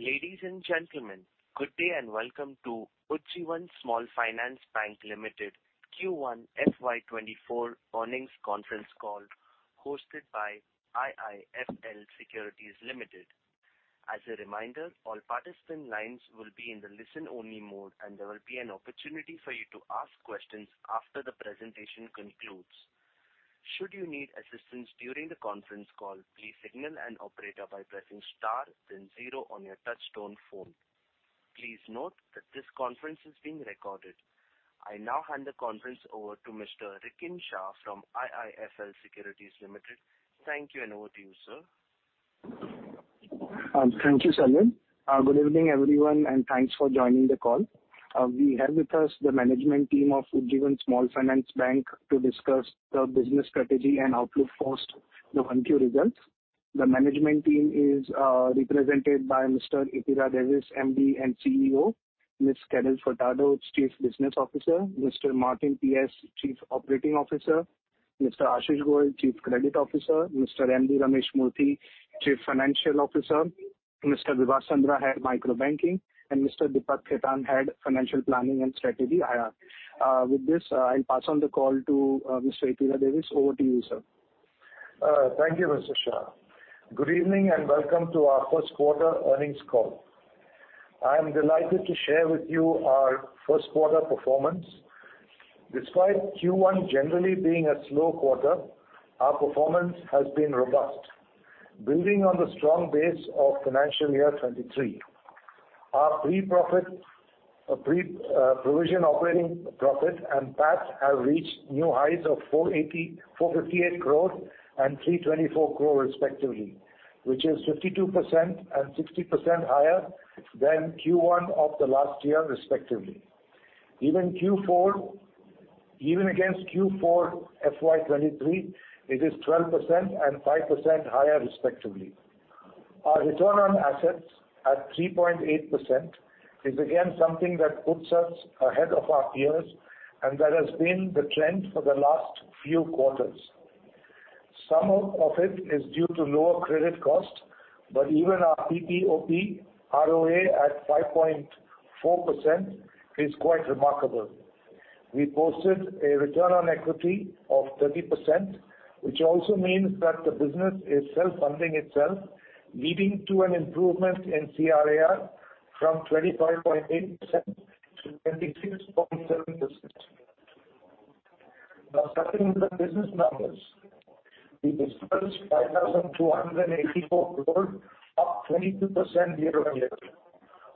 Ladies and gentlemen, good day. Welcome to Ujjivan Small Finance Bank Limited Q1 FY 2024 earnings conference call, hosted by IIFL Securities Limited. As a reminder, all participant lines will be in the listen-only mode, and there will be an opportunity for you to ask questions after the presentation concludes. Should you need assistance during the conference call, please signal an operator by pressing star then 0 on your touch-tone phone. Please note that this conference is being recorded. I now hand the conference over to Mr. Rikin Shah from IIFL Securities Limited. Thank you. Over to you, sir. Thank you, Salman. Good evening, everyone, and thanks for joining the call. We have with us the management team of Ujjivan Small Finance Bank to discuss the business strategy and outlook post the 1Q results. The management team is represented by Mr. Ittira Davis, MD and CEO, Ms. Carol Furtado, Chief Business Officer, Mr. Martin PS, Chief Operating Officer, Mr. Ashish Goel, Chief Credit Officer, Mr. M.D. Ramesh Murthy, Chief Financial Officer, Mr. Vibhas Chandra, Head, Micro Banking, and Mr. Deepak Khetan, Head, Financial Planning and Strategy, IR. With this, I'll pass on the call to Mr. Ittira Davis. Over to you, sir. Thank you, Mr. Shah. Good evening, and welcome to our Q1 earnings call. I am delighted to share with you our Q1 performance. Despite Q1 generally being a slow quarter, our performance has been robust. Building on the strong base of financial year 2023, our pre-profit, pre-provision operating profit and PAT have reached new highs of 458 crores and 324 crores respectively, which is 52% and 60% higher than Q1 of the last year, respectively. Even against Q4 FY 2023, it is 12% and 5% higher, respectively. Our return on assets at 3.8% is again something that puts us ahead of our peers and that has been the trend for the last few quarters. Some of it is due to lower credit cost, even our PPOP ROA at 5.4% is quite remarkable. We posted a return on equity of 30%, which also means that the business is self-funding itself, leading to an improvement in CRAR from 25.8% to 26.7%. Starting with the business numbers. We dispersed 5,284 crore, up 22% year-on-year.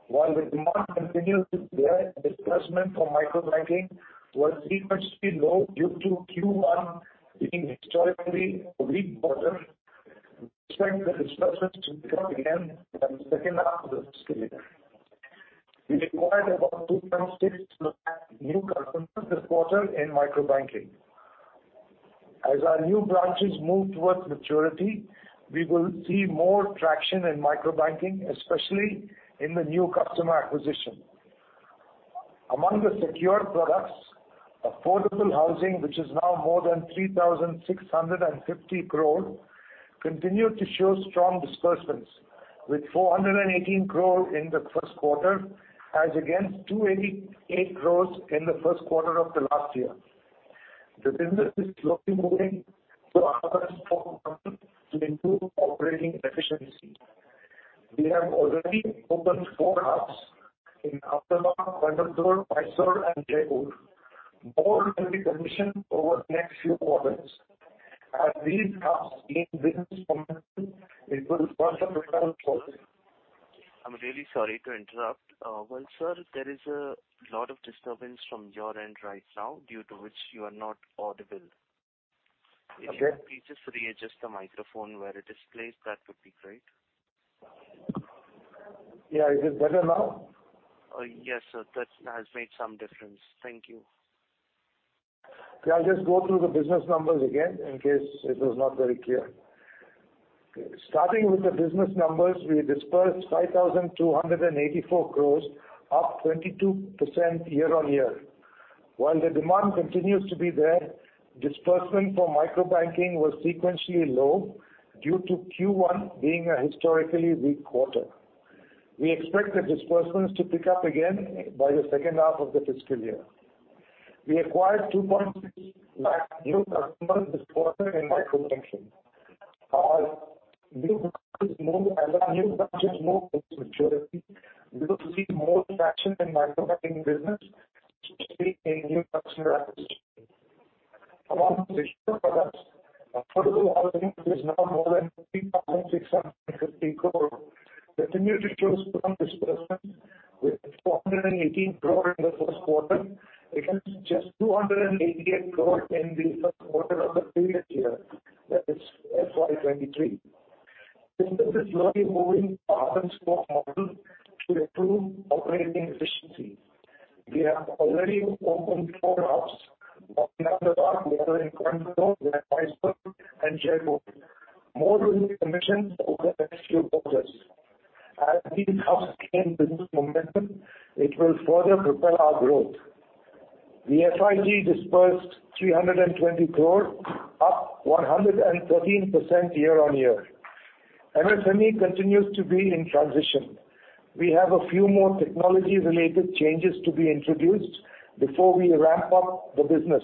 While the demand continues to be there, disbursement for micro banking was sequentially low due to Q1 being historically weak quarter. Expect the disbursements to come again by the second half of the fiscal year. We acquired about 2.6 new customers this quarter in micro banking. As our new branches move towards maturity, we will see more traction in micro banking, especially in the new customer acquisition. Among the secured products, affordable housing, which is now more than 3,650 crore, continued to show strong disbursements, with 418 crore in the Q1, as against 288 crore in the Q1 of the last year. The business is slowly moving to another form to improve operating efficiency. We have already opened four hubs in Ahmedabad, Bangalore, Mysore and Jaipur. More will be commissioned over the next few quarters. As these hubs gain business momentum, it will further propel growth. I'm really sorry to interrupt. Well, sir, there is a lot of disturbance from your end right now, due to which you are not audible. Okay. If you could please just readjust the microphone where it is placed, that would be great. Yeah. Is it better now? Yes, sir, that has made some difference. Thank you. I'll just go through the business numbers again in case it was not very clear. Starting with the business numbers, we disbursed 5,284 crores, up 22% year-on-year. While the demand continues to be there, disbursement for Micro Banking was sequentially low due to Q1 being a historically weak quarter. We expect the disbursements to pick up again by the second half of the fiscal year. We acquired 2.6 lakh new customers this quarter in Micro Banking. As our new customers move to maturity, we will see more traction in Micro Banking business, especially in new customer acquisition. Among the products, affordable housing, which is now more than 3,650 crore, continued to show strong disbursement, with 418 crore in the Q1, against just 288 crore in the Q1 of the previous year, that is FY 2023. This is slowly moving our hub-and-spoke model to improve operating efficiency. We have already opened four hubs, one in Ahmedabad, the other in Bangalore, Mysore and Jaipur. More will be commissioned over the next few quarters. As these hubs gain business momentum, it will further propel our growth. The SID disbursed 320 crore, up 113% year-on-year. MSME continues to be in transition. We have a few more technology-related changes to be introduced before we ramp up the business,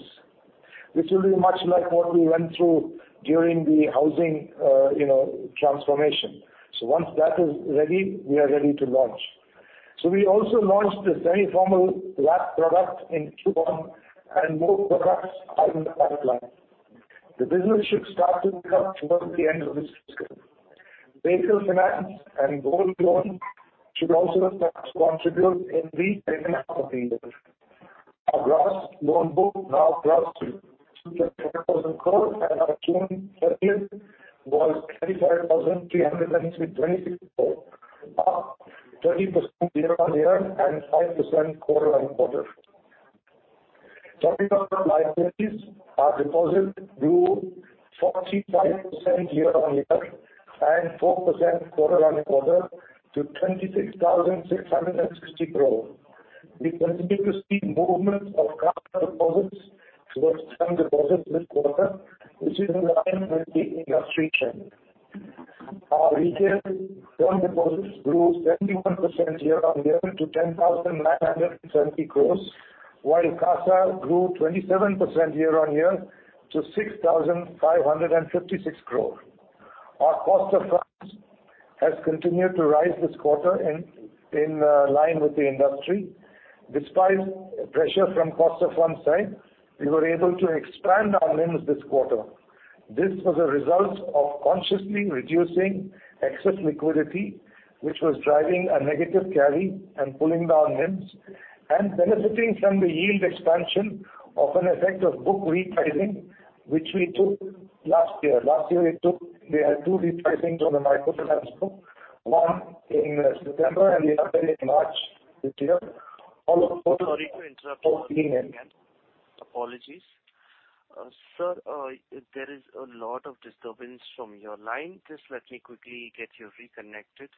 which will be much like what we went through during the housing, you know, transformation. Once that is ready, we are ready to launch. We also launched the semi-formal product in Q1. More products are in the pipeline. The business should start to pick up towards the end of this fiscal. Vehicle Finance and Gold Loan should also start to contribute in the second half of the year. Our gross loan book now grows to 10,000 crore. Our June 30th was 25,326 crore, up 30% year-on-year and 5% quarter-on-quarter. Liabilities, our deposit grew 45% year-on-year and 4% quarter-on-quarter to 26,660 crore. We continue to see movement of current deposits towards term deposits this quarter, which is in line with the industry trend. Our retail term deposits grew 71% year-on-year to 10,970 crore, while CASA grew 27% year-on-year to 6,556 crore. Our cost of funds has continued to rise this quarter in line with the industry. Despite pressure from cost of fund side, we were able to expand our NIMs this quarter. This was a result of consciously reducing excess liquidity, which was driving a negative carry and pulling down NIMs, and benefiting from the yield expansion of an effect of book repricing, which we took last year. Last year, we had two repricing on the microfinance book, one in September and the other in March this year. Sorry to interrupt you, again. Apologies. sir, there is a lot of disturbance from your line. Just let me quickly get you reconnected.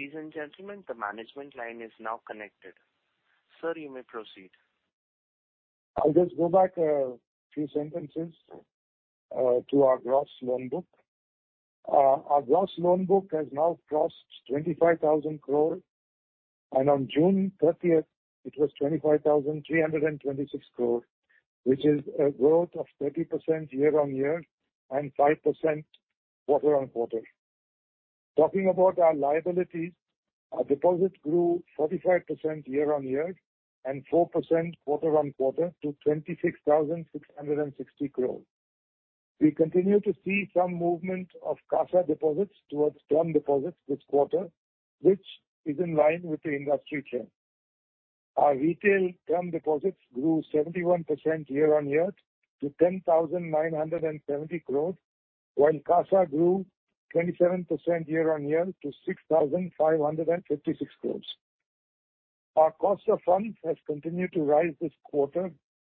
Yeah, please do that. Ladies and gentlemen, the management line is now connected. Sir, you may proceed. I'll just go back, a few sentences, to our gross loan book. Our gross loan book has now crossed 25,000 crore, and on June 30th, it was 25,326 crore, which is a growth of 30% year-on-year and 5% quarter-on-quarter. Talking about our liabilities, our deposit grew 45% year-on-year and 4% quarter-on-quarter to 26,660 crore. We continue to see some movement of CASA deposits towards term deposits this quarter, which is in line with the industry trend. Our retail term deposits grew 71% year-on-year to 10,970 crore, while CASA grew 27% year-on-year to 6,556 crores. Our cost of funds has continued to rise this quarter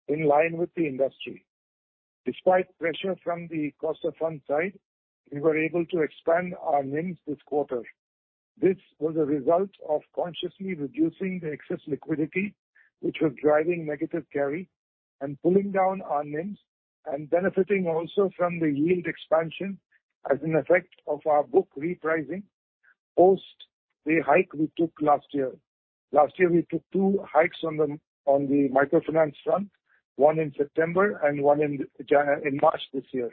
in line with the industry. Despite pressure from the cost of funds side, we were able to expand our NIMs this quarter. This was a result of consciously reducing the excess liquidity, which was driving negative carry and pulling down our NIMs and benefiting also from the yield expansion as an effect of our book repricing post the hike we took last year. Last year, we took 2 hikes on the microfinance front, one in September and one in March this year.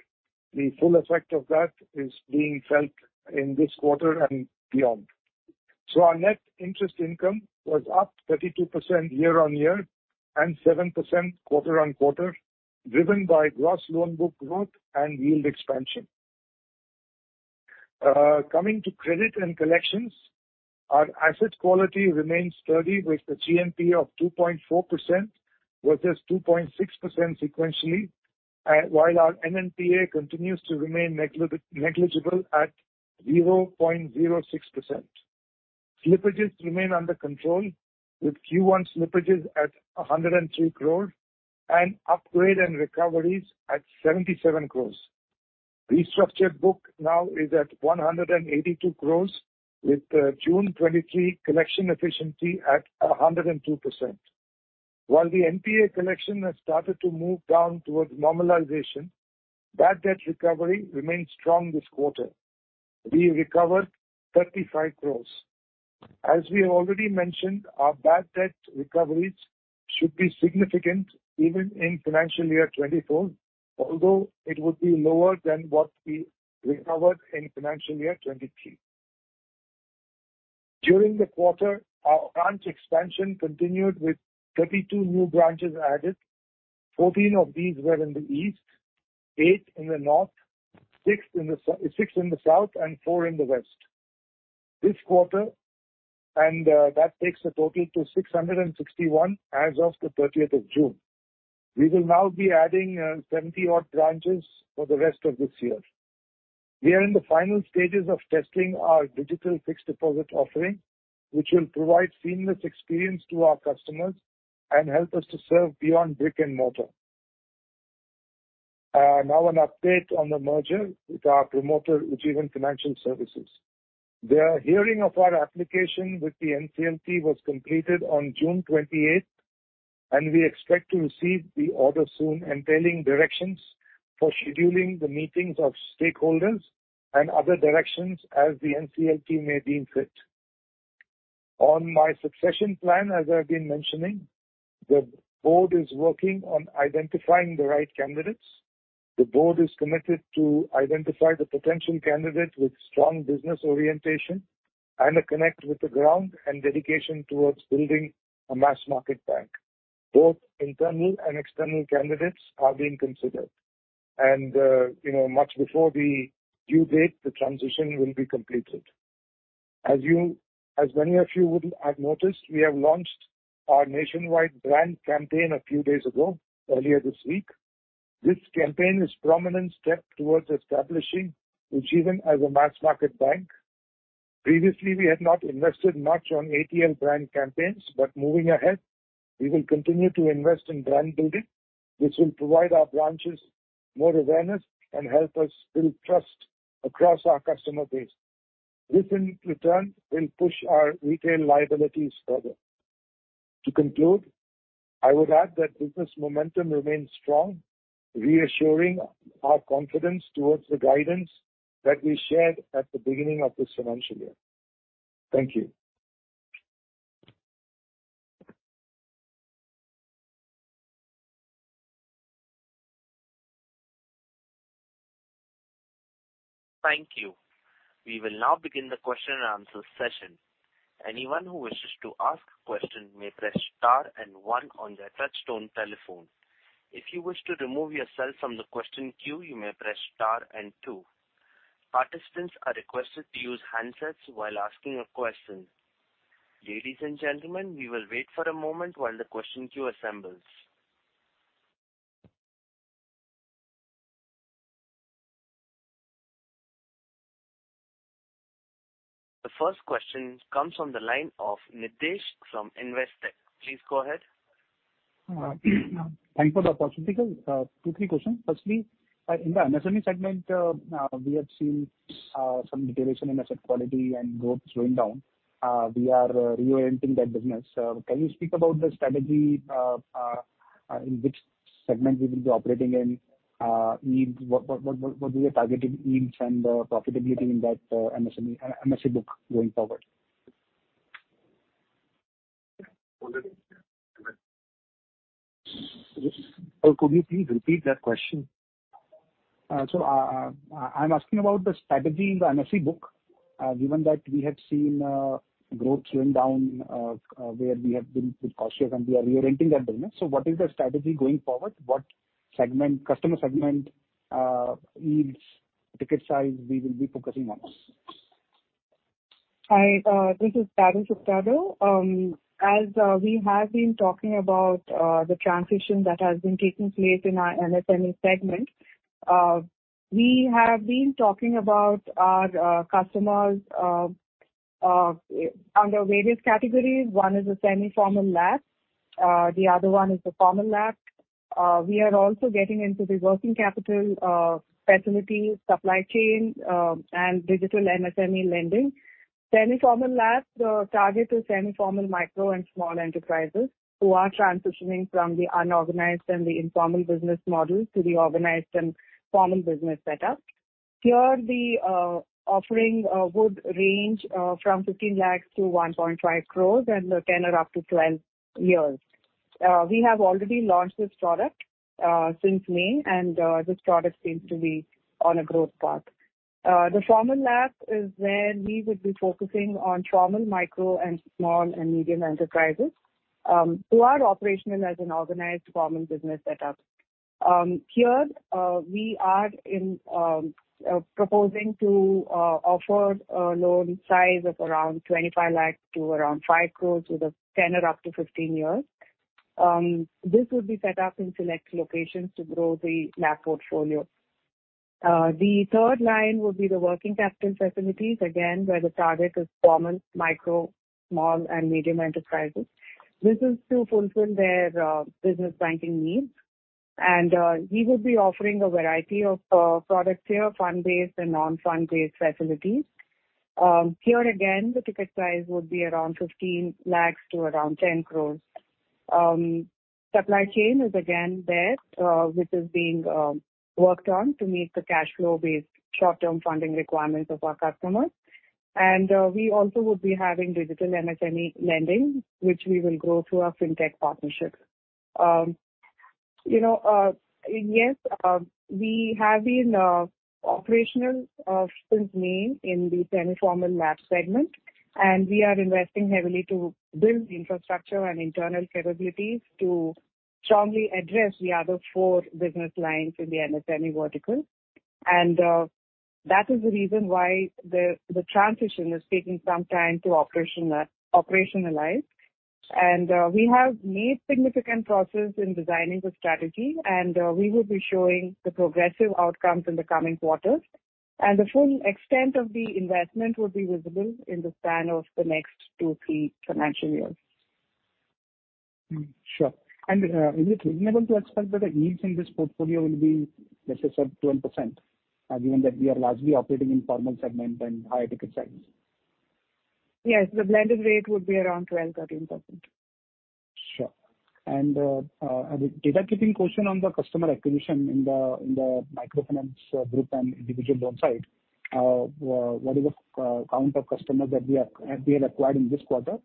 The full effect of that is being felt in this quarter and beyond. Our net interest income was up 32% year-on-year and 7% quarter-on-quarter, driven by gross loan book growth and yield expansion. Coming to credit and collections, our asset quality remains sturdy, with the GNPA of 2.4%, versus 2.6% sequentially, while our NNPA continues to remain negligible at 0.06%. Slippages remain under control, with Q1 slippages at 103 crore and upgrade and recoveries at 77 crore. Restructured book now is at 182 crore, with June 2023 collection efficiency at 102%. While the NPA collection has started to move down towards normalization, bad debt recovery remains strong this quarter. We recovered 35 crore. As we have already mentioned, our bad debt recoveries should be significant even in financial year 2024, although it would be lower than what we recovered in financial year 2023. During the quarter, our branch expansion continued, with 32 new branches added. 14 of these were in the east, 8 in the north, 6 in the south, and 4 in the west. This quarter, that takes the total to 661 as of the 30th of June. We will now be adding 70-odd branches for the rest of this year. We are in the final stages of testing our digital fixed deposit offering, which will provide seamless experience to our customers and help us to serve beyond brick and mortar. Now an update on the merger with our promoter, Ujjivan Financial Services. The hearing of our application with the NCLT was completed on June 28th, we expect to receive the order soon and trailing directions for scheduling the meetings of stakeholders and other directions as the NCLT may deem fit. On my succession plan, as I've been mentioning, the board is working on identifying the right candidates. The board is committed to identify the potential candidate with strong business orientation and a connect with the ground and dedication towards building a mass-market bank. Both internal and external candidates are being considered, and, you know, much before the due date, the transition will be completed. As many of you would have noticed, we have launched our nationwide brand campaign a few days ago, earlier this week. This campaign is prominent step towards establishing Ujjivan as a mass-market bank. Previously, we had not invested much on ATL brand campaigns, moving ahead, we will continue to invest in brand building, which will provide our branches more awareness and help us build trust across our customer base. This, in return, will push our retail liabilities further. To conclude, I would add that business momentum remains strong, reassuring our confidence toward the guidance that we shared at the beginning of this financial year. Thank you. Thank you. We will now begin the question and answer session. Anyone who wishes to ask a question may press star and one on their touchtone telephone. If you wish to remove yourself from the question queue, you may press star and two. Participants are requested to use handsets while asking a question. Ladies and gentlemen, we will wait for a moment while the question queue assembles. The first question comes from the line of Nitesh from Investec. Please go ahead. Thank you for the opportunity. two, three questions. Firstly, in the MSME segment, we have seen some deterioration in asset quality and growth slowing down. We are reorienting that business. Can you speak about the strategy, in which segment we will be operating in? needs, what are we targeting needs and profitability in that MSME, MSE book going forward? Could you please repeat that question? I'm asking about the strategy in the MSE book. Given that we have seen growth slowing down, where we have been bit cautious and we are reorienting that business. What is the strategy going forward? What segment, customer segment, needs, ticket size we will be focusing on? Hi, this is Carol Furtado. As we have been talking about the transition that has been taking place in our MSME segment, we have been talking about our customers under various categories. One is a semi-formal LAP, the other one is the formal LAP. We are also getting into the working capital facility, supply chain, and digital MSME lending. Semi-formal LAP, target to semi-formal micro and small enterprises who are transitioning from the unorganized and the informal business model to the organized and formal business setup. Here, the offering would range from 15 lakhs to 1.5 crores and the tenor up to 12 years. We have already launched this product since May, and this product seems to be on a growth path. The formal LAP is where we would be focusing on formal Micro, Small, and Medium Enterprises, who are operational as an organized formal business setup. Here, we are in, proposing to offer a loan size of around 25 lakhs to around 5 crores, with a tenor up to 15 years. This would be set up in select locations to grow the LAP portfolio. The third line would be the working capital facilities, again, where the target is formal Micro, Small, and Medium Enterprises. This is to fulfill their business banking needs. We would be offering a variety of products here, fund-based and non-fund-based facilities. Here again, the ticket size would be around 15 lakhs to around 10 crores. Supply chain is again there, which is being worked on to meet the cash flow-based short-term funding requirements of our customers. We also would be having digital MSME lending, which we will grow through our Fintech partnerships. You know, yes, we have been operational since May in the semi-formal LAP segment, and we are investing heavily to build the infrastructure and internal capabilities to strongly address the other 4 business lines in the MSME vertical. That is the reason why the transition is taking some time to operationalize. We have made significant progress in designing the strategy, we will be showing the progressive outcomes in the coming quarters. The full extent of the investment will be visible in the span of the next two, three financial years. Sure. Is it reasonable to expect that the yields in this portfolio will be less than, say, 12%, given that we are largely operating in formal segment and higher ticket size? Yes, the blended rate would be around 12-13%. Sure. data keeping question on the customer acquisition in the, in the microfinance group and individual loan side. what is the count of customers that we have acquired in this quarter?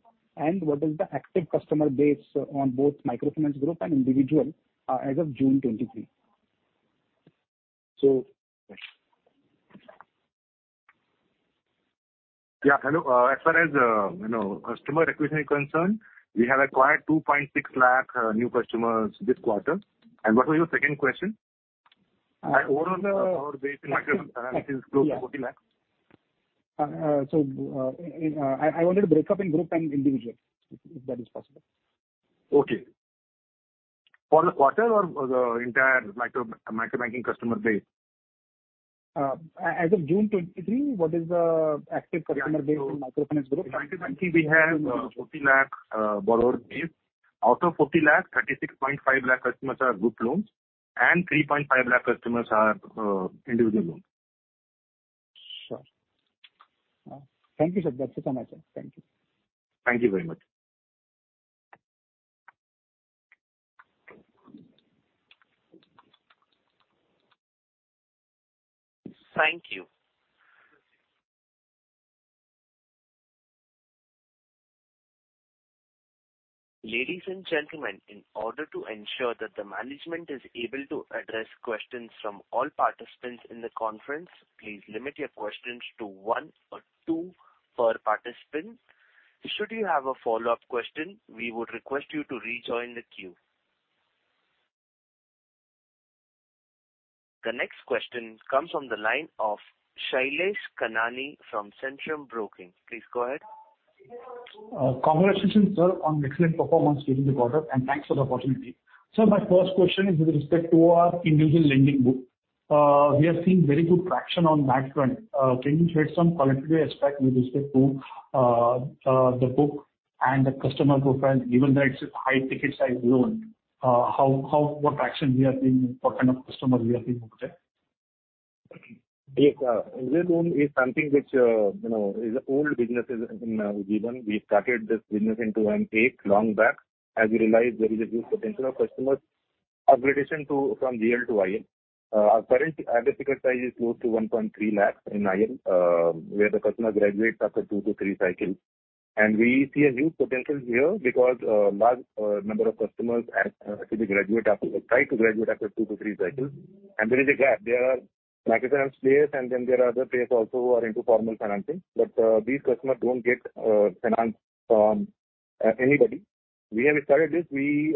what is the active customer base on both microfinance group and individual as of June 2023? Yeah, hello. As far as, you know, customer acquisition is concerned, we have acquired 2.6 lakh new customers this quarter. What was your second question? Our overall base in microfinance is close to 40 lakhs. I wanted a breakup in group and individual, if that is possible. Okay. For the quarter or the entire micro-banking customer base? As of June 23, what is the active customer? Yeah. Base in microfinance group? In microfinance, we have 40 lakh borrower base. Out of 40 lakh, 36.5 lakh customers are group loans, and 3.5 lakh customers are individual loans. Sure. Thank you, sir. That's it from my side. Thank you. Thank you very much. Thank you. Ladies and gentlemen, in order to ensure that the management is able to address questions from all participants in the conference, please limit your questions to one or two per participant. Should you have a follow-up question, we would request you to rejoin the queue. The next question comes from the line of Shailesh Kanani from Centrum Broking. Please go ahead. Congratulations, sir, on excellent performance during the quarter. Thanks for the opportunity. Sir, my first question is with respect to our Individual Lending book. We are seeing very good traction on that front. Can you share some qualitative aspect with respect to the book and the customer profile, even though it's a high ticket size loan, what kind of customers we have been booked there? Yes, this loan is something which, you know, is old businesses in Ujjivan. We started this business in 2008, long back, as we realized there is a huge potential of customers upgrading to, from JL to IL. Our current average ticket size is close to 1.3 lakhs in IL, where the customer graduates after 2-3 cycles. We see a huge potential here because large number of customers actually graduate after, try to graduate after 2-3 cycles. There is a gap. There are microfinance players, and then there are other players also who are into formal financing. These customers don't get financed from anybody. We have started this. We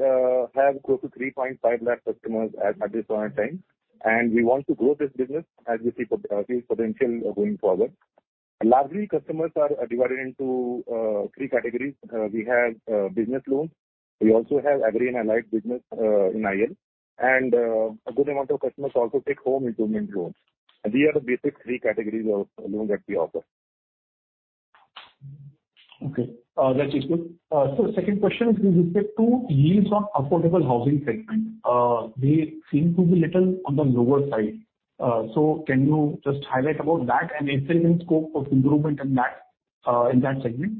have close to 3.5 lakh customers as at this point in time, and we want to grow this business as we see potential going forward. Largely, customers are divided into three categories. We have business loans. We also have agri and allied business in IL. A good amount of customers also take home improvement loans. These are the basic three categories of loans that we offer. Okay, that's useful. Second question is with respect to yields on affordable housing segment. They seem to be little on the lower side. Can you just highlight about that and if there is any scope of improvement in that, in that segment?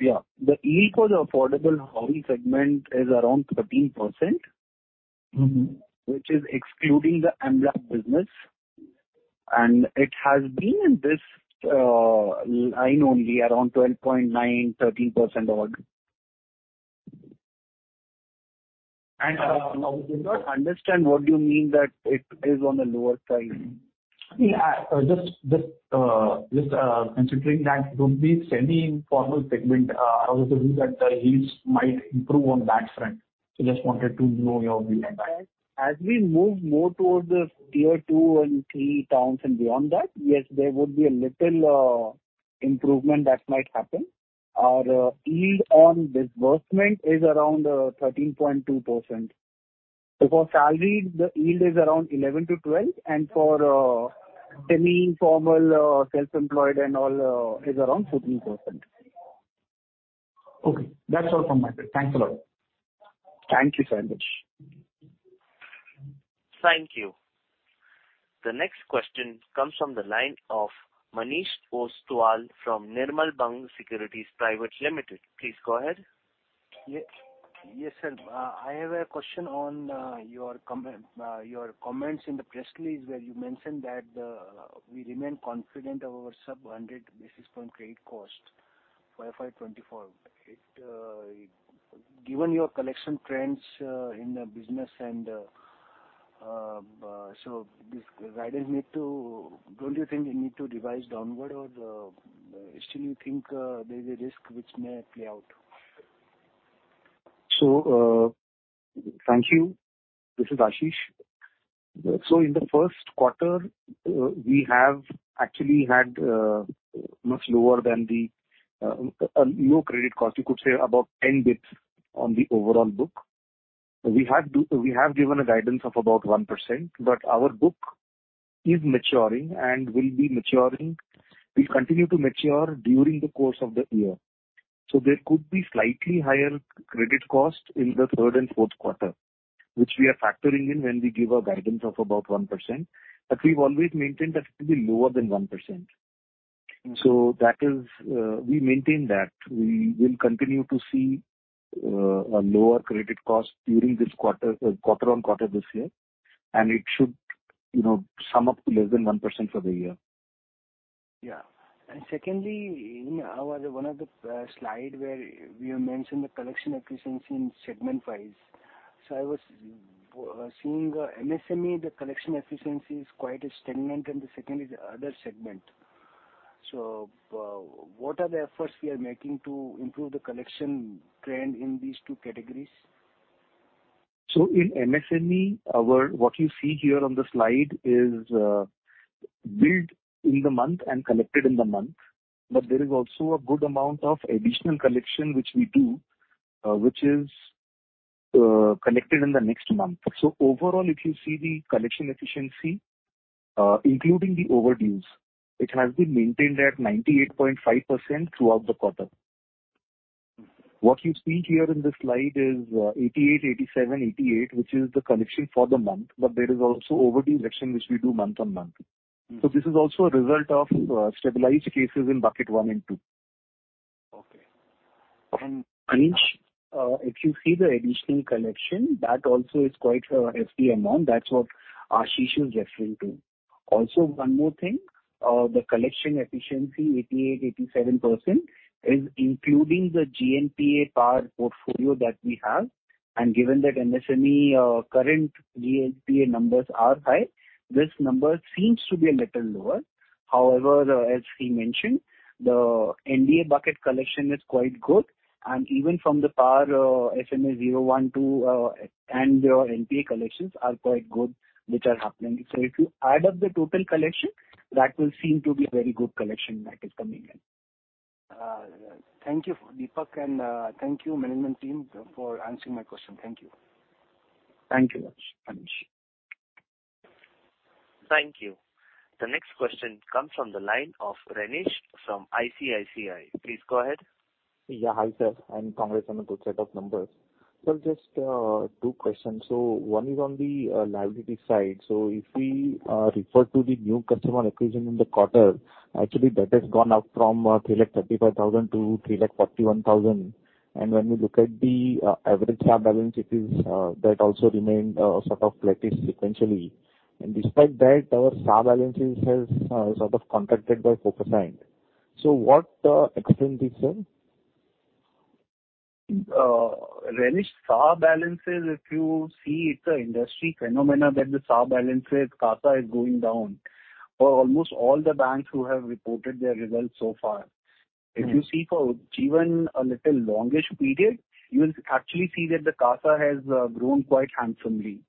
Yeah, the yield for the affordable housing segment is around 13%. Mm-hmm. Which is excluding the MBLG business, and it has been in this line only, around 12.9%, 13% odd. I did not understand what you mean that it is on the lower side? Just considering that with the semi-formal segment, how is it that the yields might improve on that front? Just wanted to know your view on that. As we move more towards the tier two and three towns and beyond that, yes, there would be a little improvement that might happen. Our yield on disbursement is around 13.2%. For salaried, the yield is around 11%-12%, and for semi-formal, self-employed and all, is around 13%. Okay. That's all from my side. Thanks a lot. Thank you very much. Thank you. The next question comes from the line of Manish Ostwal from Nirmal Bang Securities Private Limited. Please go ahead. Yes. Yes, sir. I have a question on your comments in the press release, where you mentioned that we remain confident of our sub 100 basis point credit cost for FY 2024. Given your collection trends in the business, Don't you think you need to revise downward or, still you think, there's a risk which may play out? Thank you. This is Ashish. In the Q1, we have actually had much lower than the low credit cost, you could say about 10 bits on the overall book. We have given a guidance of about 1%, but our book is maturing and will be maturing. We continue to mature during the course of the year, so there could be slightly higher credit cost in the Q3 and Q4, which we are factoring in when we give a guidance of about 1%. We've always maintained that it will be lower than 1%. That is, we maintain that. We will continue to see a lower credit cost during this quarter-on-quarter this year, and it should, you know, sum up to less than 1% for the year. Yeah. Secondly, in our one of the slide where we have mentioned the collection efficiency in segment-wise. I was seeing the MSME, the collection efficiency is quite stagnant, and the second is the other segment. What are the efforts we are making to improve the collection trend in these two categories? In MSME, our, what you see here on the slide is billed in the month and collected in the month, but there is also a good amount of additional collection which we do, which is collected in the next month. Overall, if you see the collection efficiency, including the overdues, it has been maintained at 98.5% throughout the quarter. What you see here in this slide is 88, 87, 88, which is the collection for the month, but there is also overdue collection, which we do month on month. This is also a result of, stabilized cases in bucket 1 and 2. Okay. Manish, if you see the additional collection, that also is quite a hefty amount. That's what Ashish is referring to. One more thing, the collection efficiency, 88%-87%, is including the GNPA par portfolio that we have. Given that MSME current GNPA numbers are high, this number seems to be a little lower. However, as he mentioned, the NPA bucket collection is quite good, and even from the par, SMA 0, 1, 2, and your NPA collections are quite good, which are happening. If you add up the total collection, that will seem to be a very good collection that is coming in. Thank you, Deepak, and thank you, management team, for answering my question. Thank you. Thank you much, Manish. Thank you. The next question comes from the line of Renish from ICICI. Please go ahead. Yeah. Hi, sir, I'm Congress, on a good set of numbers. Sir, just 2 questions. One is on the liability side. If we refer to the new customer acquisition in the quarter, actually that has gone up from 3 lakh 35,000 to 3 lakh 41,000. When we look at the average CASA balance, it is that also remained sort of flat sequentially. Despite that, our CASA balances has sort of contracted by four percent. What explains this, sir? Renish, CASA balances, if you see it's an industry phenomena that the CASA balances, CASA, is going down for almost all the banks who have reported their results so far. If you see for even a little longish period, you will actually see that the CASA has grown quite handsomely.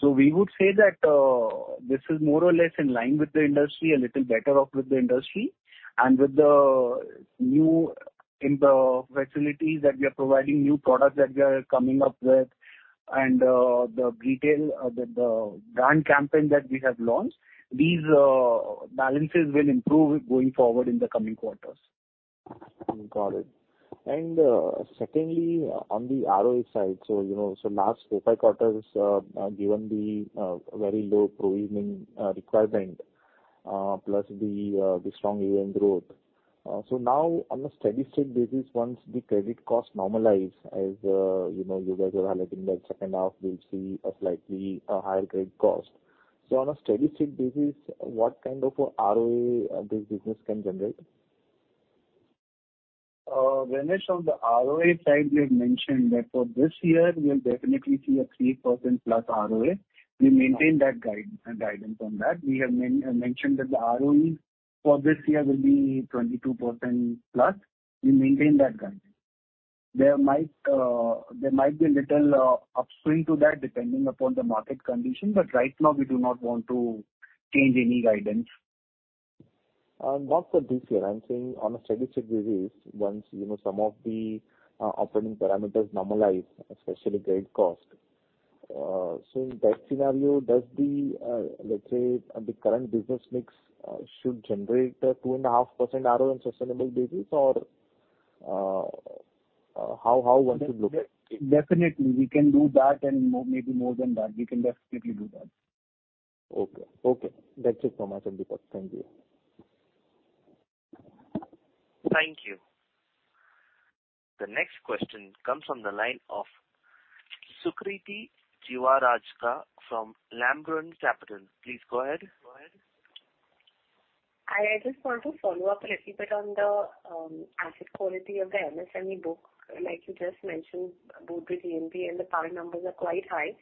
We would say that this is more or less in line with the industry, a little better off with the industry, and with the new in the facilities that we are providing, new products that we are coming up with and the retail the brand campaign that we have launched, these balances will improve going forward in the coming quarters. Got it. Secondly, on the ROE side, you know, last 4, 5 quarters, given the very low provisioning requirement, plus the strong AUM growth. Now on a steady-state basis, once the credit cost normalizes, as, you know, you guys are highlighting that second half, we'll see a slightly higher credit cost. On a steady-state basis, what kind of a ROA this business can generate? Vinesh, on the ROA side, we have mentioned that for this year we will definitely see a 3% plus ROA. We maintain that guidance on that. We have mentioned that the ROE for this year will be 22% plus. We maintain that guidance. There might be a little upswing to that depending upon the market condition, but right now we do not want to change any guidance. Not for this year. I'm saying on a steady-state basis, once, you know, some of the operating parameters normalize, especially credit cost. In that scenario, does the, let's say, the current business mix, should generate a 2.5% ROE on sustainable basis? How one should look at it? Definitely, we can do that and more, maybe more than that. We can definitely do that. Okay. Okay, that's it from my end, Deepak. Thank you. Thank you. The next question comes from the line of Sukriti Jiwarajka from Laburnum Capital. Please go ahead. I just want to follow up a little bit on the asset quality of the MSME book. Like you just mentioned, both the GNPA and the power numbers are quite high.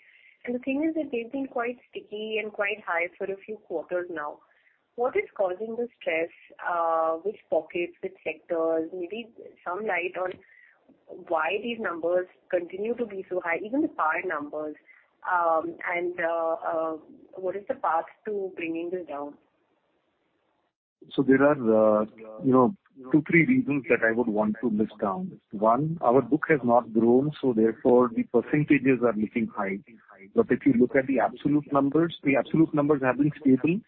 The thing is that they've been quite sticky and quite high for a few quarters now. What is causing the stress? Which pockets, which sectors? Maybe some light on why these numbers continue to be so high, even the power numbers. What is the path to bringing this down? There are, you know, two, three reasons that I would want to list down. One, our book has not grown, so therefore, the percentages are looking high. If you look at the absolute numbers, the absolute numbers have been stable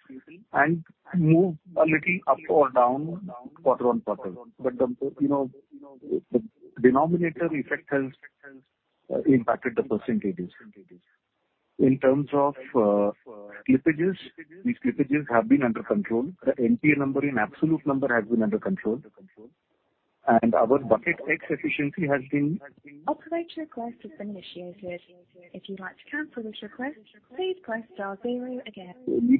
and moved a little up or down, quarter-on-quarter. The, you know, the denominator effect has impacted the percentages. In terms of slippages, the slippages have been under control. The NPA number in absolute number has been under control, and our bucket X efficiency has been. Operator, your request has been initiated. If you'd like to cancel this request, please press star zero again. We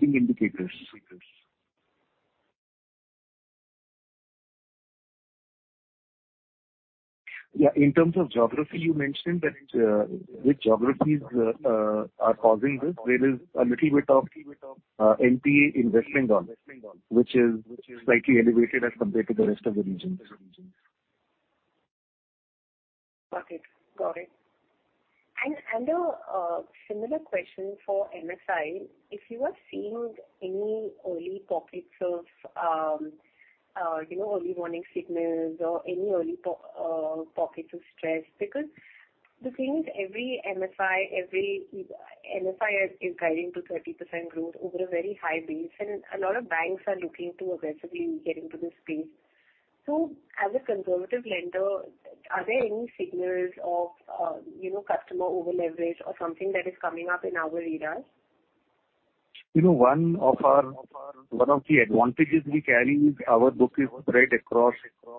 can indicate this. Yeah. In terms of geography, you mentioned that, which geographies are causing this? There is a little bit of NPA in West Bengal, which is slightly elevated as compared to the rest of the regions. Got it. Got it. A similar question for MFI. If you are seeing any early pockets of, you know, early warning signals or any early pockets of stress. Because the thing is, every MFI is guiding to 30% growth over a very high base, and a lot of banks are looking to aggressively get into this space. As a conservative lender, are there any signals of, you know, customer over-leverage or something that is coming up in our radars? You know, one of the advantages we carry is our book is spread across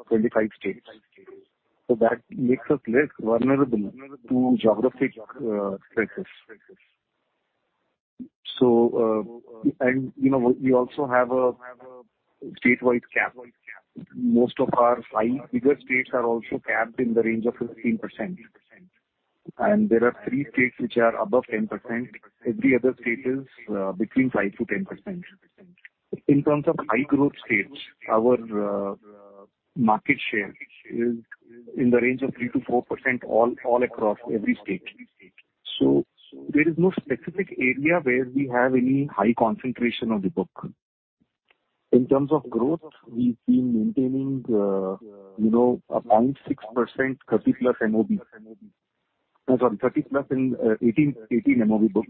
25 states. That makes us less vulnerable to geographic stresses. You know, we also have a statewide cap. Most of our 5 bigger states are also capped in the range of 15%, and there are 3 states which are above 10%. Every other state is between 5%-10%. In terms of high-growth states, our market share is in the range of 3%-4% all across every state. There is no specific area where we have any high concentration of the book. In terms of growth, we've been maintaining, you know, around 6%, 30+ MOB. sorry, 30+ in, 18 MOB book,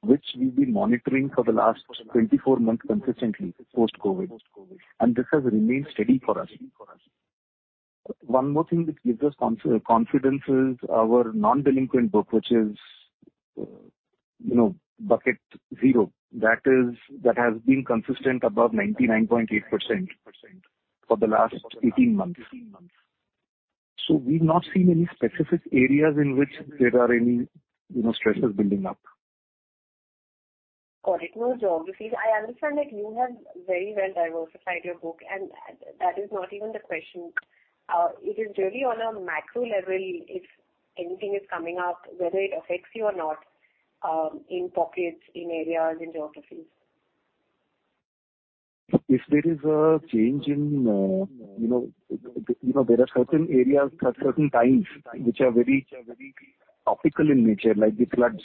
which we've been monitoring for the last 24 months consistently, post-COVID, and this has remained steady for us. One more thing which gives us confidence is our non-delinquent book, which is, you know, bucket 0. That has been consistent above 99.8% for the last 18 months. We've not seen any specific areas in which there are any, you know, stresses building up. Got it. No geographies. I understand that you have very well diversified your book, that is not even the question. It is really on a macro level, if anything is coming up, whether it affects you or not, in pockets, in areas, in geographies. If there is a change in, you know, there are certain areas at certain times which are very topical in nature, like the floods,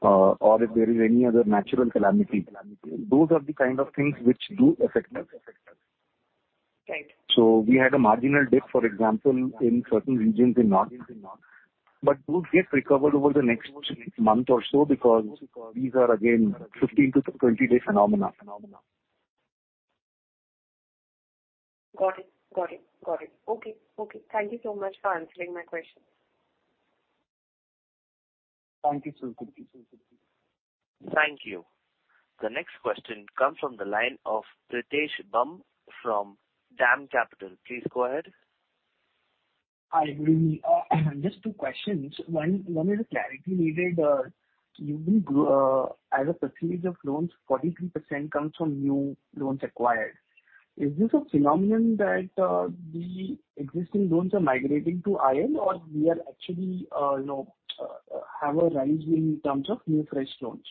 or if there is any other natural calamity, those are the kind of things which do affect us. Right. We had a marginal dip, for example, in certain regions in north, but do get recovered over the next month or so, because these are again 15-20-day phenomena. Got it. Okay. Thank you so much for answering my questions. Thank you, Sukriti. Thank you. The next question comes from the line of Pritesh Bumb from DAM Capital. Please go ahead. Hi, good evening. Just two questions. One is a clarity needed, you will grow, as a percentage of loans, 43% comes from new loans acquired. Is this a phenomenon that the existing loans are migrating to IL or we are actually, you know, have a rise in terms of new fresh loans?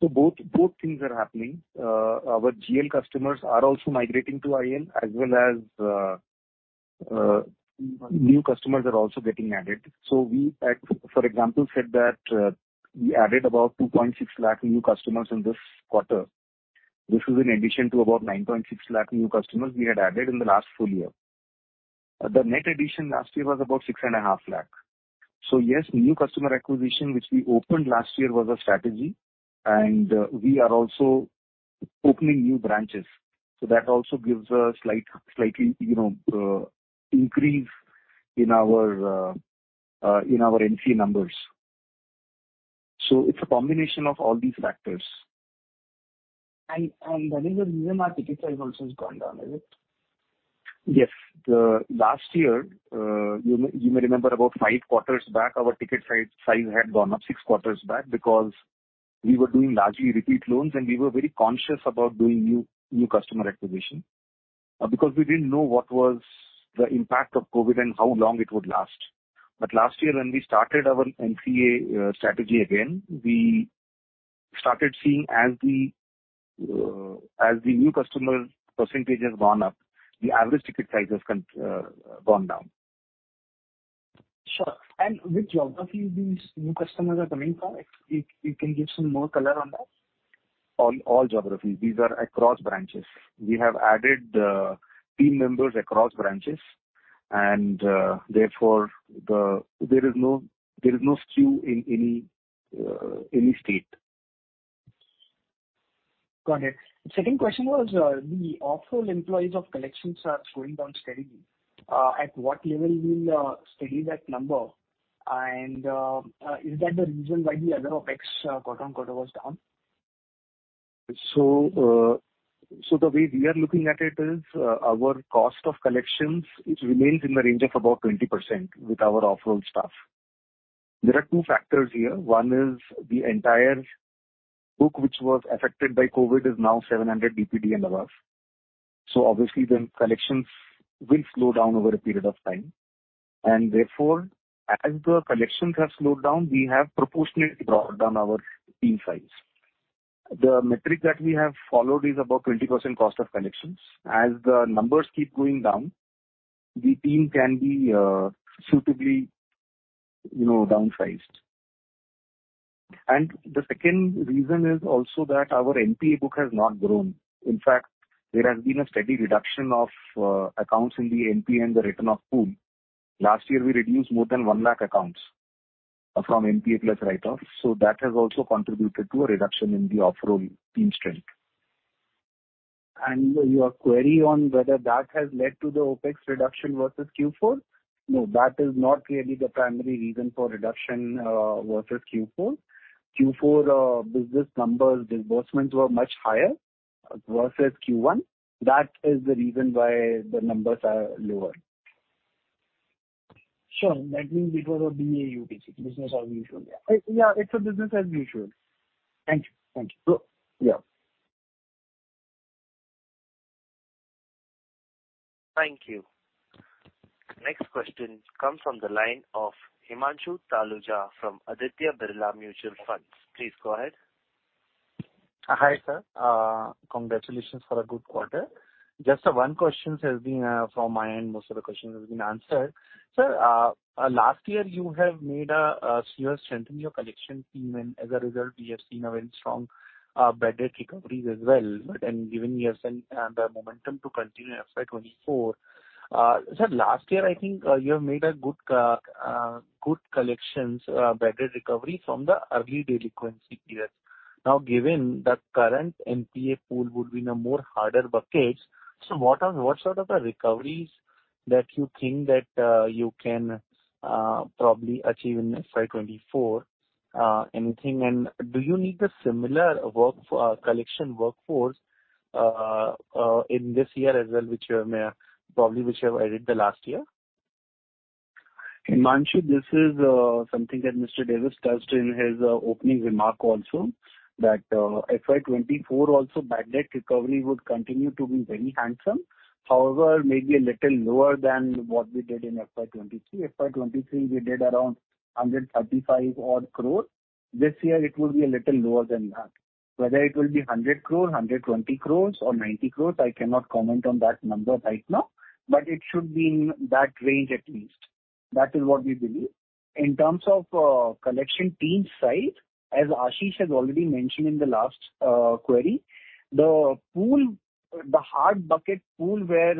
Both things are happening. Our GL customers are also migrating to IL as well as, new customers are also getting added. We, at, for example, said that, we added about 2.6 lakh new customers in this quarter. This is in addition to about 9.6 lakh new customers we had added in the last full year. The net addition last year was about six and a half lakh. Yes, new customer acquisition, which we opened last year, was a strategy, and, we are also opening new branches. That also gives a slightly, you know, increase in our, in our NC numbers. It's a combination of all these factors. That is the reason our ticket size also has gone down, is it? Yes. The last year, you may remember about 5 quarters back, our ticket size had gone up, 6 quarters back, because we were doing largely repeat loans, and we were very conscious about doing new customer acquisition. Because we didn't know what was the impact of COVID and how long it would last. Last year, when we started our NCA strategy again, we started seeing as the new customer % has gone up, the average ticket size has gone down. Sure. Which geography these new customers are coming from? If you can give some more color on that. All geographies. These are across branches. We have added team members across branches, and therefore, there is no skew in any state. Got it. The second question was, the off-role employees of collections are going down steadily. At what level will steady that number? Is that the reason why the other Opex, quarter-on-quarter, was down? The way we are looking at it is, our cost of collections, it remains in the range of about 20% with our off-role staff. There are two factors here. One is the entire book, which was affected by COVID, is now 700 DPD and above. Obviously, the collections will slow down over a period of time. Therefore, as the collections have slowed down, we have proportionately brought down our team size. The metric that we have followed is about 20% cost of collections. As the numbers keep going down, the team can be, suitably, you know, downsized. The second reason is also that our NPA book has not grown. In fact, there has been a steady reduction of accounts in the NPA and the written off pool. Last year, we reduced more than 1 lakh accounts from NPA plus write-offs, so that has also contributed to a reduction in the off-role team strength. Your query on whether that has led to the Opex reduction versus Q4? No, that is not really the primary reason for reduction versus Q4. Q4 business numbers, disbursements were much higher versus Q1. That is the reason why the numbers are lower. Sure. That means it was a BAU, basically, business as usual. Yeah. Yeah, it's a business as usual. Thank you. Thank you. Yeah. Thank you. Next question comes from the line of Himanshu Taluja from Aditya Birla Mutual Funds. Please go ahead. Hi, sir. Congratulations for a good quarter. Just one question has been from my end, most of the questions have been answered. Sir, last year you have made a serious strength in your collection team, and as a result, we have seen a very strong better recoveries as well. Given yourself and the momentum to continue FY 2024. Last year, I think, you have made a good collections, better recovery from the early delinquency period. Now, given the current NPA pool would be in a more harder bucket, what are, what sort of a recoveries that you think that you can probably achieve in FY 2024? Anything... Do you need a similar work, collection workforce, in this year as well, which you may have, probably, which you have added the last year? Himanshu, this is something that Mr. Davis touched in his opening remark also, that FY 2024 also, bad debt recovery would continue to be very handsome. Maybe a little lower than what we did in FY 2023. FY 2023, we did around 135 odd crores. This year it will be a little lower than that. Whether it will be 100 crores, 120 crores or 90 crores, I cannot comment on that number right now, but it should be in that range at least. That is what we believe. In terms of collection team size, as Ashish has already mentioned in the last query, the pool, the hard bucket pool where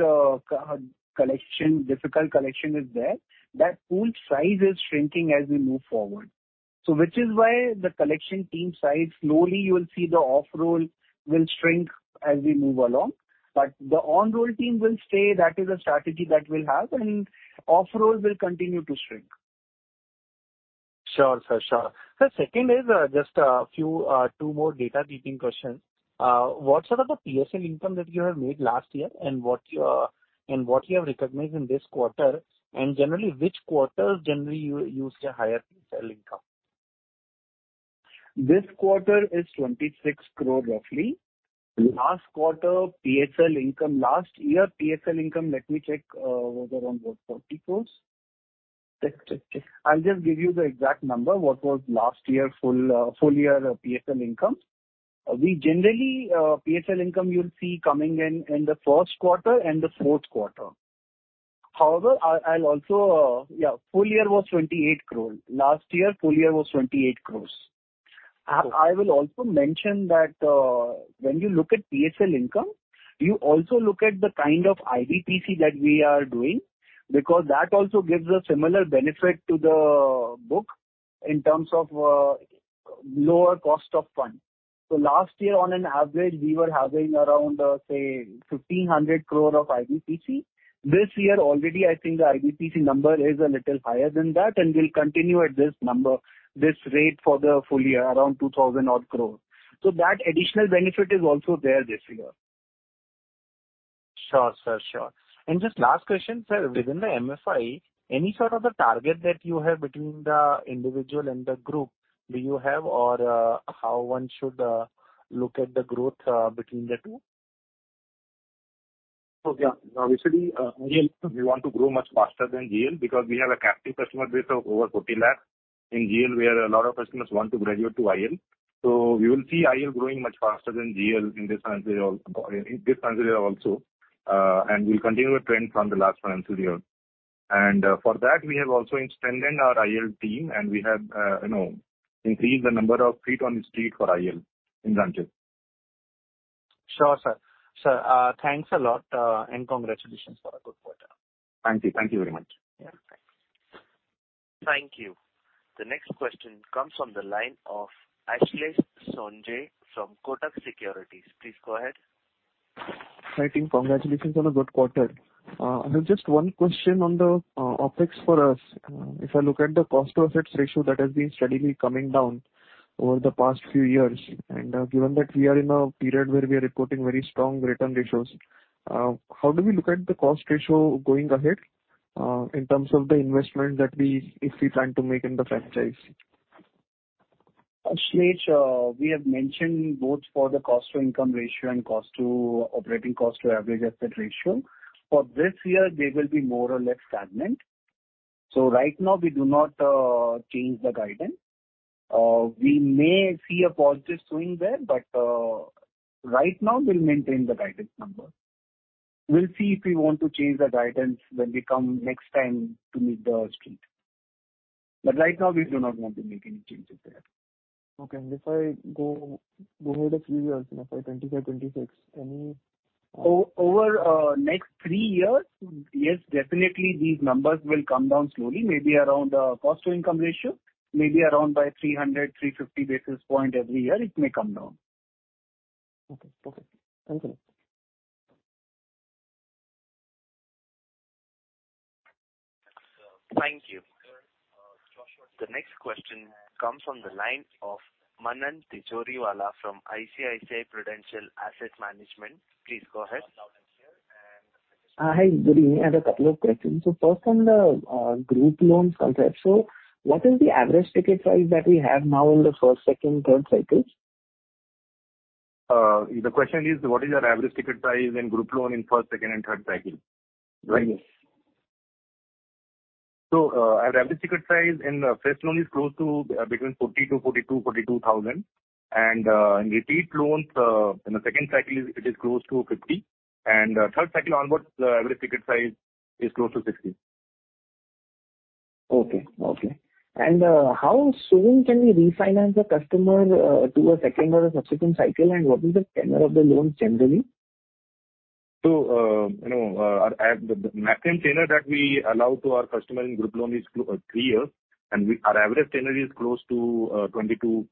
collection, difficult collection is there, that pool size is shrinking as we move forward. Which is why the collection team size, slowly you will see the off-roll will shrink as we move along, but the on-roll team will stay. That is a strategy that we'll have, off-roll will continue to shrink. Sure, sir. Sure. Sir, second is, just a few, two more data-digging questions. What sort of a PSL income that you have made last year and what you have recognized in this quarter? Generally, which quarter generally you used a higher PSL income? This quarter is 26 crore, roughly. Last quarter, PSL income, last year, PSL income, let me check, was around, what, 40 crores? Check. I'll just give you the exact number, what was last year full year PSL income. We generally, PSL income, you'll see coming in the Q1 and the Q4. I'll also. Yeah, full year was 28 crore. Last year, full year was 28 crores. I will also mention that when you look at PSL income, you also look at the kind of IBPC that we are doing, because that also gives a similar benefit to the book in terms of lower cost of funds. Last year, on an average, we were having around, say, 1,500 crore of IBPC. This year, already, I think the IBPC number is a little higher than that, and will continue at this number, this rate for the full year, around 2,000 odd crore. That additional benefit is also there this year. Sure, sir. Sure. Just last question, sir. Within the MFI, any sort of a target that you have between the individual and the group, do you have or, how one should look at the growth between the two? Yeah. Obviously, we want to grow much faster than GL, because we have a captive customer base of over 40 lakhs. In GL, we have a lot of customers who want to graduate to IL. We will see IL growing much faster than GL in this financial year, in this financial year also, and we'll continue the trend from the last financial year. For that, we have also strengthened our IL team, and we have, you know, increased the number of feet on the street for IL in Ranchi. Sure, sir. Sir, thanks a lot, and congratulations for a good quarter. Thank you. Thank you very much. Yeah, thanks. Thank you. The next question comes from the line of Ashlesh Sonje from Kotak Securities. Please go ahead. Hi, team. Congratulations on a good quarter. I have just one question on the Opex for us. If I look at the cost to assets ratio, that has been steadily coming down over the past few years, and given that we are in a period where we are reporting very strong return ratios, how do we look at the cost ratio going ahead, in terms of the investment that we, if we plan to make in the franchise? Ashish, we have mentioned both for the cost to income ratio and operating cost to average asset ratio. For this year, they will be more or less stagnant. Right now, we do not change the guidance. We may see a positive swing there, but right now, we'll maintain the guidance number. We'll see if we want to change the guidance when we come next time to meet the street. Right now, we do not want to make any changes there. Okay. If I go ahead a few years, you know, like 2025, 2026... Over, next 3 years, yes, definitely these numbers will come down slowly, maybe around cost to income ratio, maybe around by 300, 350 basis points every year, it may come down. Okay, perfect. Thank you. Thank you. The next question comes from the line of Manan Tijoriwala from ICICI Prudential Asset Management. Please go ahead. Hi, good evening. I have 2 questions. First, on the group loans concept, what is the average ticket size that we have now in the first, second, third cycles? The question is, what is our average ticket size in group loan in first, second, and third cycle? Right, yes. Our average ticket size in the first loan is close to between 40,000-42,000. In repeat loans, in the second cycle, it is close to 50,000. Third cycle onwards, the average ticket size is close to 60,000. Okay, okay. How soon can we refinance a customer to a second or a subsequent cycle, and what is the tenor of the loan, generally? You know, the maximum tenor that we allow to our customer in Group Loan is three years. Our average tenor is close to 22-23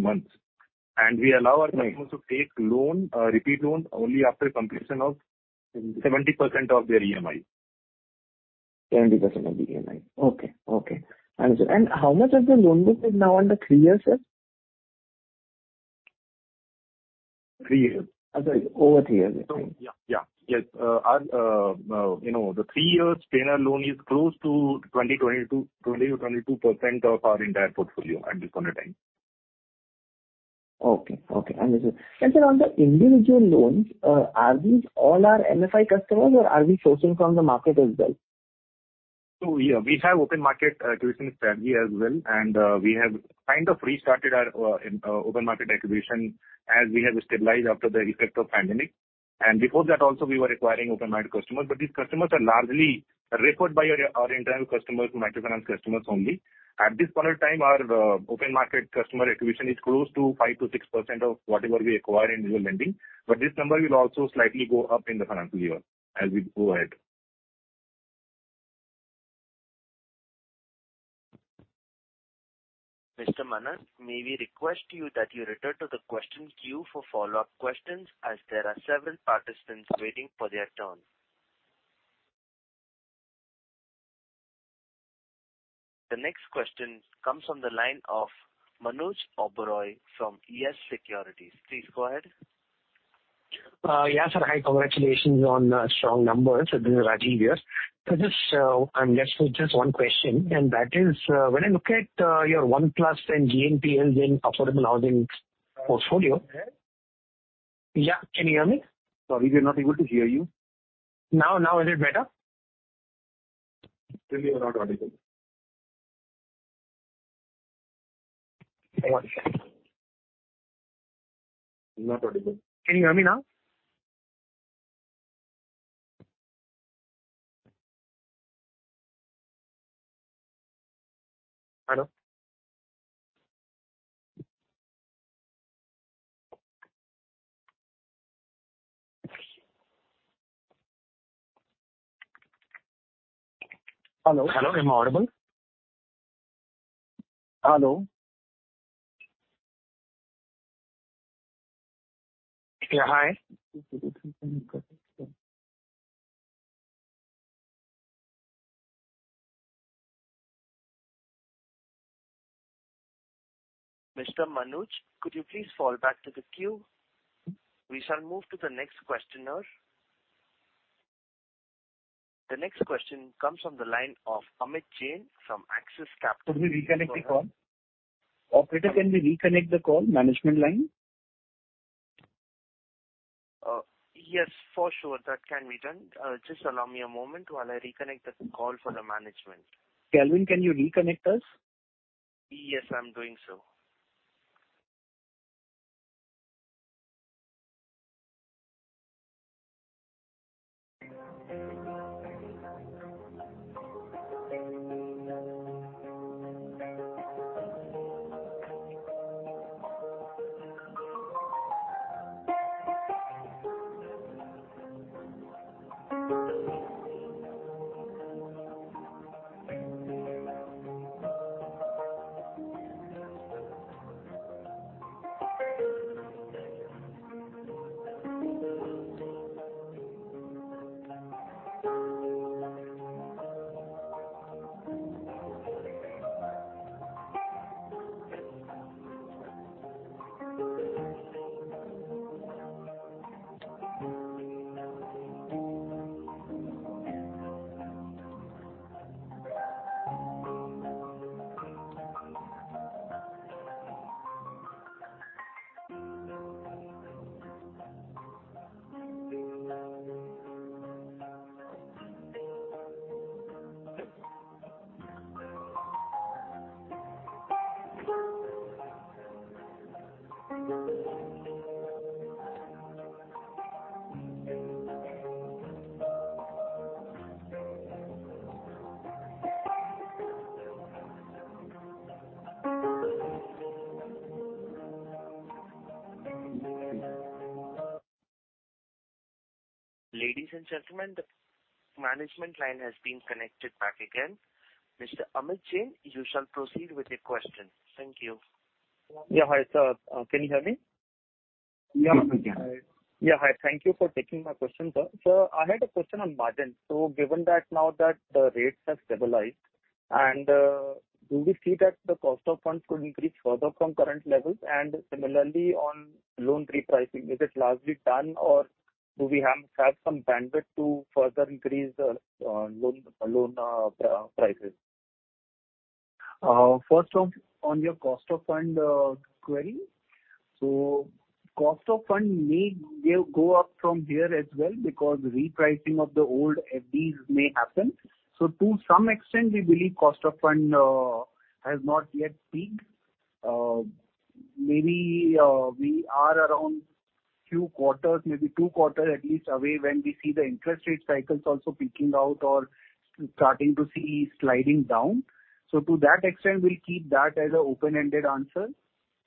months. We allow our customers to take loan, repeat loans, only after completion of 70% of their EMI. 70% of the EMI. Okay, okay. Understood. How much of the loan book is now under 3 years, sir? 3 years? I'm sorry, over three years. yeah. Yes, our, you know, the three years tenor loan is close to 20% or 22% of our entire portfolio at this point in time. Okay, okay. Understood. On the individual loans, are these all our MFI customers, or are we sourcing from the market as well? Yeah, we have open market acquisition strategy as well, and we have kind of restarted our open market acquisition as we have stabilized after the effect of pandemic. Before that also, we were acquiring open market customers. These customers are largely referred by our internal customers, microfinance customers only. At this point of time, our open market customer acquisition is close to 5%-6% of whatever we acquire in new lending. This number will also slightly go up in the financial year as we go ahead. Mr. Manan, may we request you that you return to the question queue for follow-up questions, as there are several participants waiting for their turn. The next question comes from the line of Manuj Oberoi from YES Securities. Please go ahead. Yes, sir. Hi, congratulations on strong numbers. This is Rajiv here. Just, I'm left with just one question, and that is when I look at your one plus and GNPA in affordable housing portfolio. Yeah, can you hear me? Sorry, we are not able to hear you. Now is it better? Still you are not audible. Not audible. Can you hear me now? Hello? Hello. Hello, am I audible? Hello. You are hi. Mr. Manoj, could you please fall back to the queue? We shall move to the next questioner. The next question comes from the line of Amit Jain from Axis Capital. Could we reconnect the call? Operator, can we reconnect the call, management line? Yes, for sure, that can be done. Just allow me a moment while I reconnect the call for the management. Calvin, can you reconnect us? Yes, I'm doing so. Ladies and gentlemen, the management line has been connected back again. Mr. Amit Jain, you shall proceed with your question. Thank you. Yeah, hi, sir. Can you hear me? Yeah, we can. Yeah. Hi, thank you for taking my question, sir. I had a question on margin. Given that now that the rates have stabilized, and do we see that the cost of funds could increase further from current levels? Similarly, on loan repricing, is it largely done, or do we have some bandwidth to further increase on loan prices? first off, on your cost of fund, query. cost of fund may go up from here as well, because repricing of the old FDs may happen. to some extent, we believe cost of fund has not yet peaked. maybe we are around 2 quarters, maybe 2 quarters at least away, when we see the interest rate cycles also peaking out or starting to see sliding down. to that extent, we'll keep that as an open-ended answer.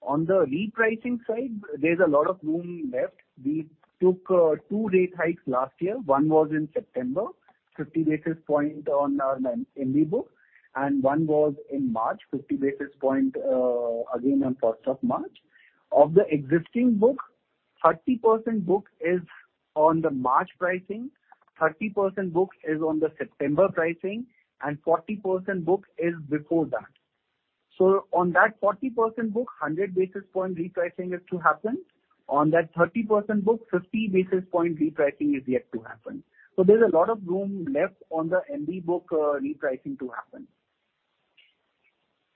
On the repricing side, there's a lot of room left. We took 2 rate hikes last year. One was in September, 50 basis point on our banking book, and one was in March, 50 basis point, again, on 1st of March. Of the existing book, 30% book is on the March pricing, 30% book is on the September pricing, 40% book is before that. On that 40% book, 100 basis point repricing is to happen. On that 30% book, 50 basis point repricing is yet to happen. There's a lot of room left on the banking book, repricing to happen.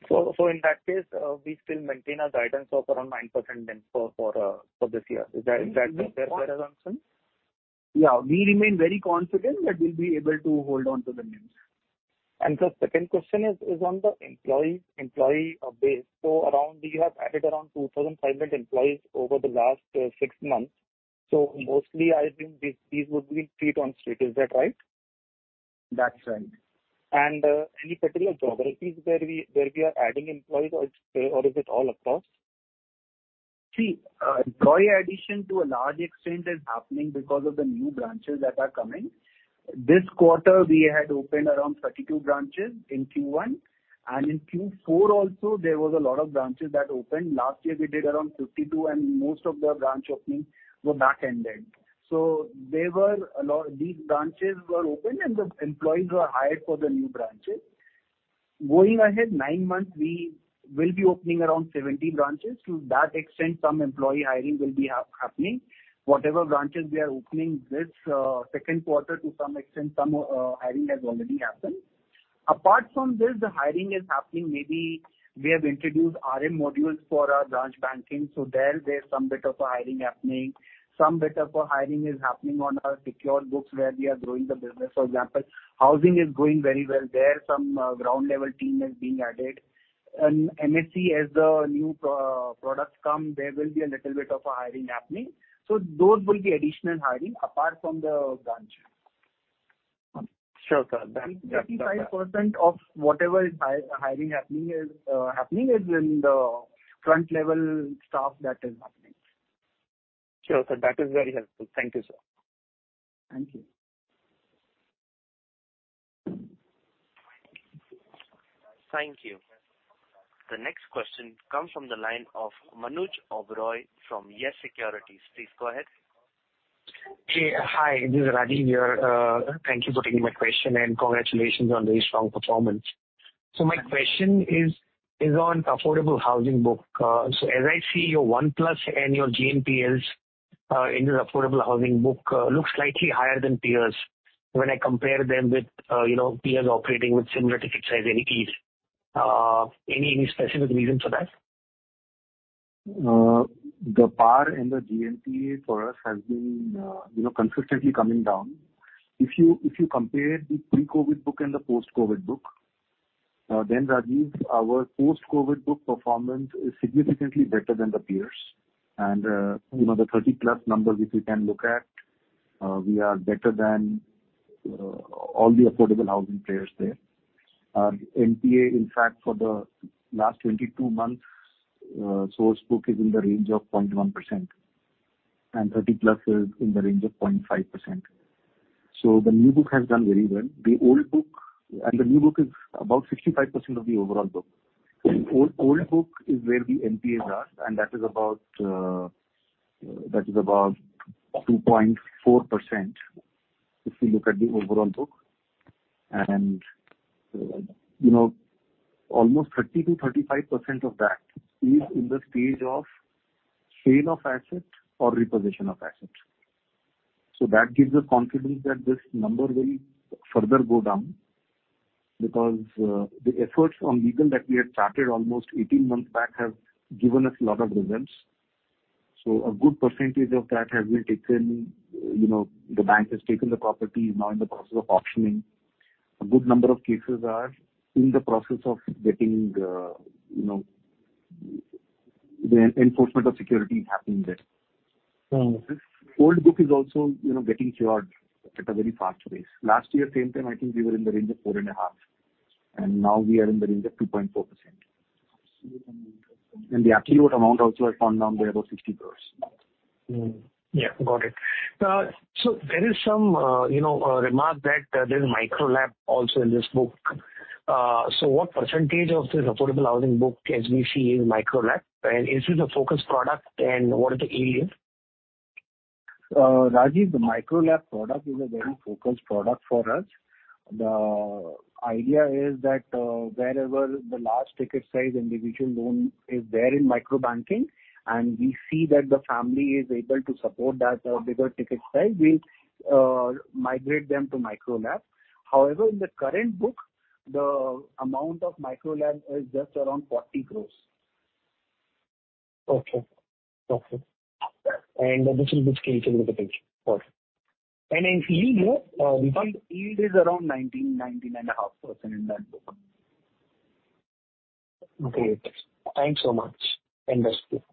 In that case, we still maintain our guidance of around 9% then for this year. Is that a fair assumption? Yeah. We remain very confident that we'll be able to hold on to the numbers. The second question is on the employee base. Around, we have added around 2,500 employees over the last 6 months. Mostly I think these would be street on street. Is that right? That's right. Any particular geographies where we are adding employees or it's, or is it all across? See, employee addition to a large extent is happening because of the new branches that are coming. This quarter we had opened around 32 branches in Q1, and in Q4 also there was a lot of branches that opened. Last year we did around 52, and most of the branch openings were back-ended. There were a lot. These branches were opened and the employees were hired for the new branches. Going ahead, 9 months we will be opening around 70 branches. To that extent, some employee hiring will be happening. Whatever branches we are opening this, Q2, to some extent, some hiring has already happened. Apart from this, the hiring is happening maybe we have introduced RM modules for our large banking, so there's some bit of a hiring happening. Some bit of a hiring is happening on our secure books where we are growing the business. For example, housing is growing very well. There, some, ground-level team is being added. MSME, as the new product come, there will be a little bit of a hiring happening. Those will be additional hiring apart from the branch. Sure, sir. 35% of whatever is hiring, happening is in the front-level staff that is happening. Sure, sir. That is very helpful. Thank you, sir. Thank you. Thank you. The next question comes from the line of Manoj Oberoi from YES Securities. Please go ahead. Hey. Hi, this is Rajiv here. Thank you for taking my question, and congratulations on the strong performance. My question is on affordable housing book. As I see your one plus and your GNPLs, in your affordable housing book, looks slightly higher than peers when I compare them with, you know, peers operating with similar ticket size entities. Any specific reason for that? The par in the GNPA for us has been, you know, consistently coming down. If you compare the pre-COVID book and the post-COVID book, Rajiv, our post-COVID book performance is significantly better than the peers. You know, the 30-plus number, which you can look at, we are better than all the affordable housing players there. Our NPA, in fact, for the last 22 months, source book is in the range of 0.1%, and 30-plus is in the range of 0.5%. The new book has done very well. The old book. The new book is about 65% of the overall book. Old book is where the NPAs are, and that is about 2.4%, if you look at the overall book. you know, almost 30%-35% of that is in the stage of sale of assets or repossession of assets. That gives us confidence that this number will further go down because the efforts on legal that we had started almost 18 months back have given us a lot of results. A good percentage of that has been taken, you know, the bank has taken the property, now in the process of auctioning. A good number of cases are in the process of getting, you know, the enforcement of security happening there. Old book is also, you know, getting cured at a very fast pace. Last year, same time, I think we were in the range of 4.5%, and now we are in the range of 2.4%. The arrearage amount also has come down by about 60 crores. Yeah, got it. There is some, you know, a remark that there's Micro-LAP also in this book. What % of this affordable housing book, as we see, is Micro-LAP? Is this a focus product, and what are the areas? Rajiv, the Micro-LAP product is a very focused product for us. The idea is that, wherever the large ticket size individual loan is there in microbanking, and we see that the family is able to support that, bigger ticket size, we migrate them to Micro-LAP. However, in the current book, the amount of Micro-LAP is just around 40 crores. Okay. Okay. This will be scalable with the bank. Got it. In yield, we Yield is around 19.5% in that book. Great. Thanks so much, and best to you.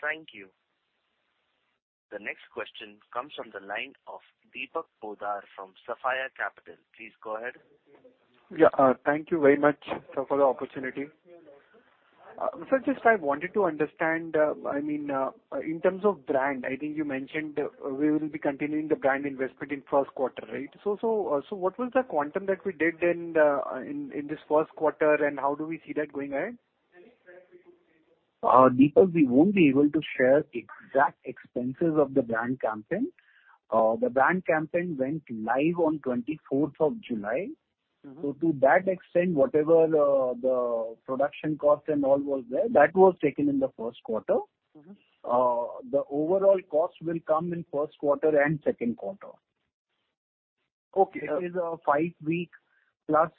Thank you. The next question comes from the line of Deepak Poddar from Sapphire Capital. Please go ahead. Thank you very much, sir, for the opportunity. Just I wanted to understand, I mean, in terms of brand, I think you mentioned, we will be continuing the brand investment in Q1, right? What was the quantum that we did in the Q1, and how do we see that going ahead? Deepak, we won't be able to share exact expenses of the brand campaign. The brand campaign went live on 24th of July. To that extent, whatever, the production cost and all was there, that was taken in the Q1. The overall cost will come in Q1 and Q2. There is a 5 week plus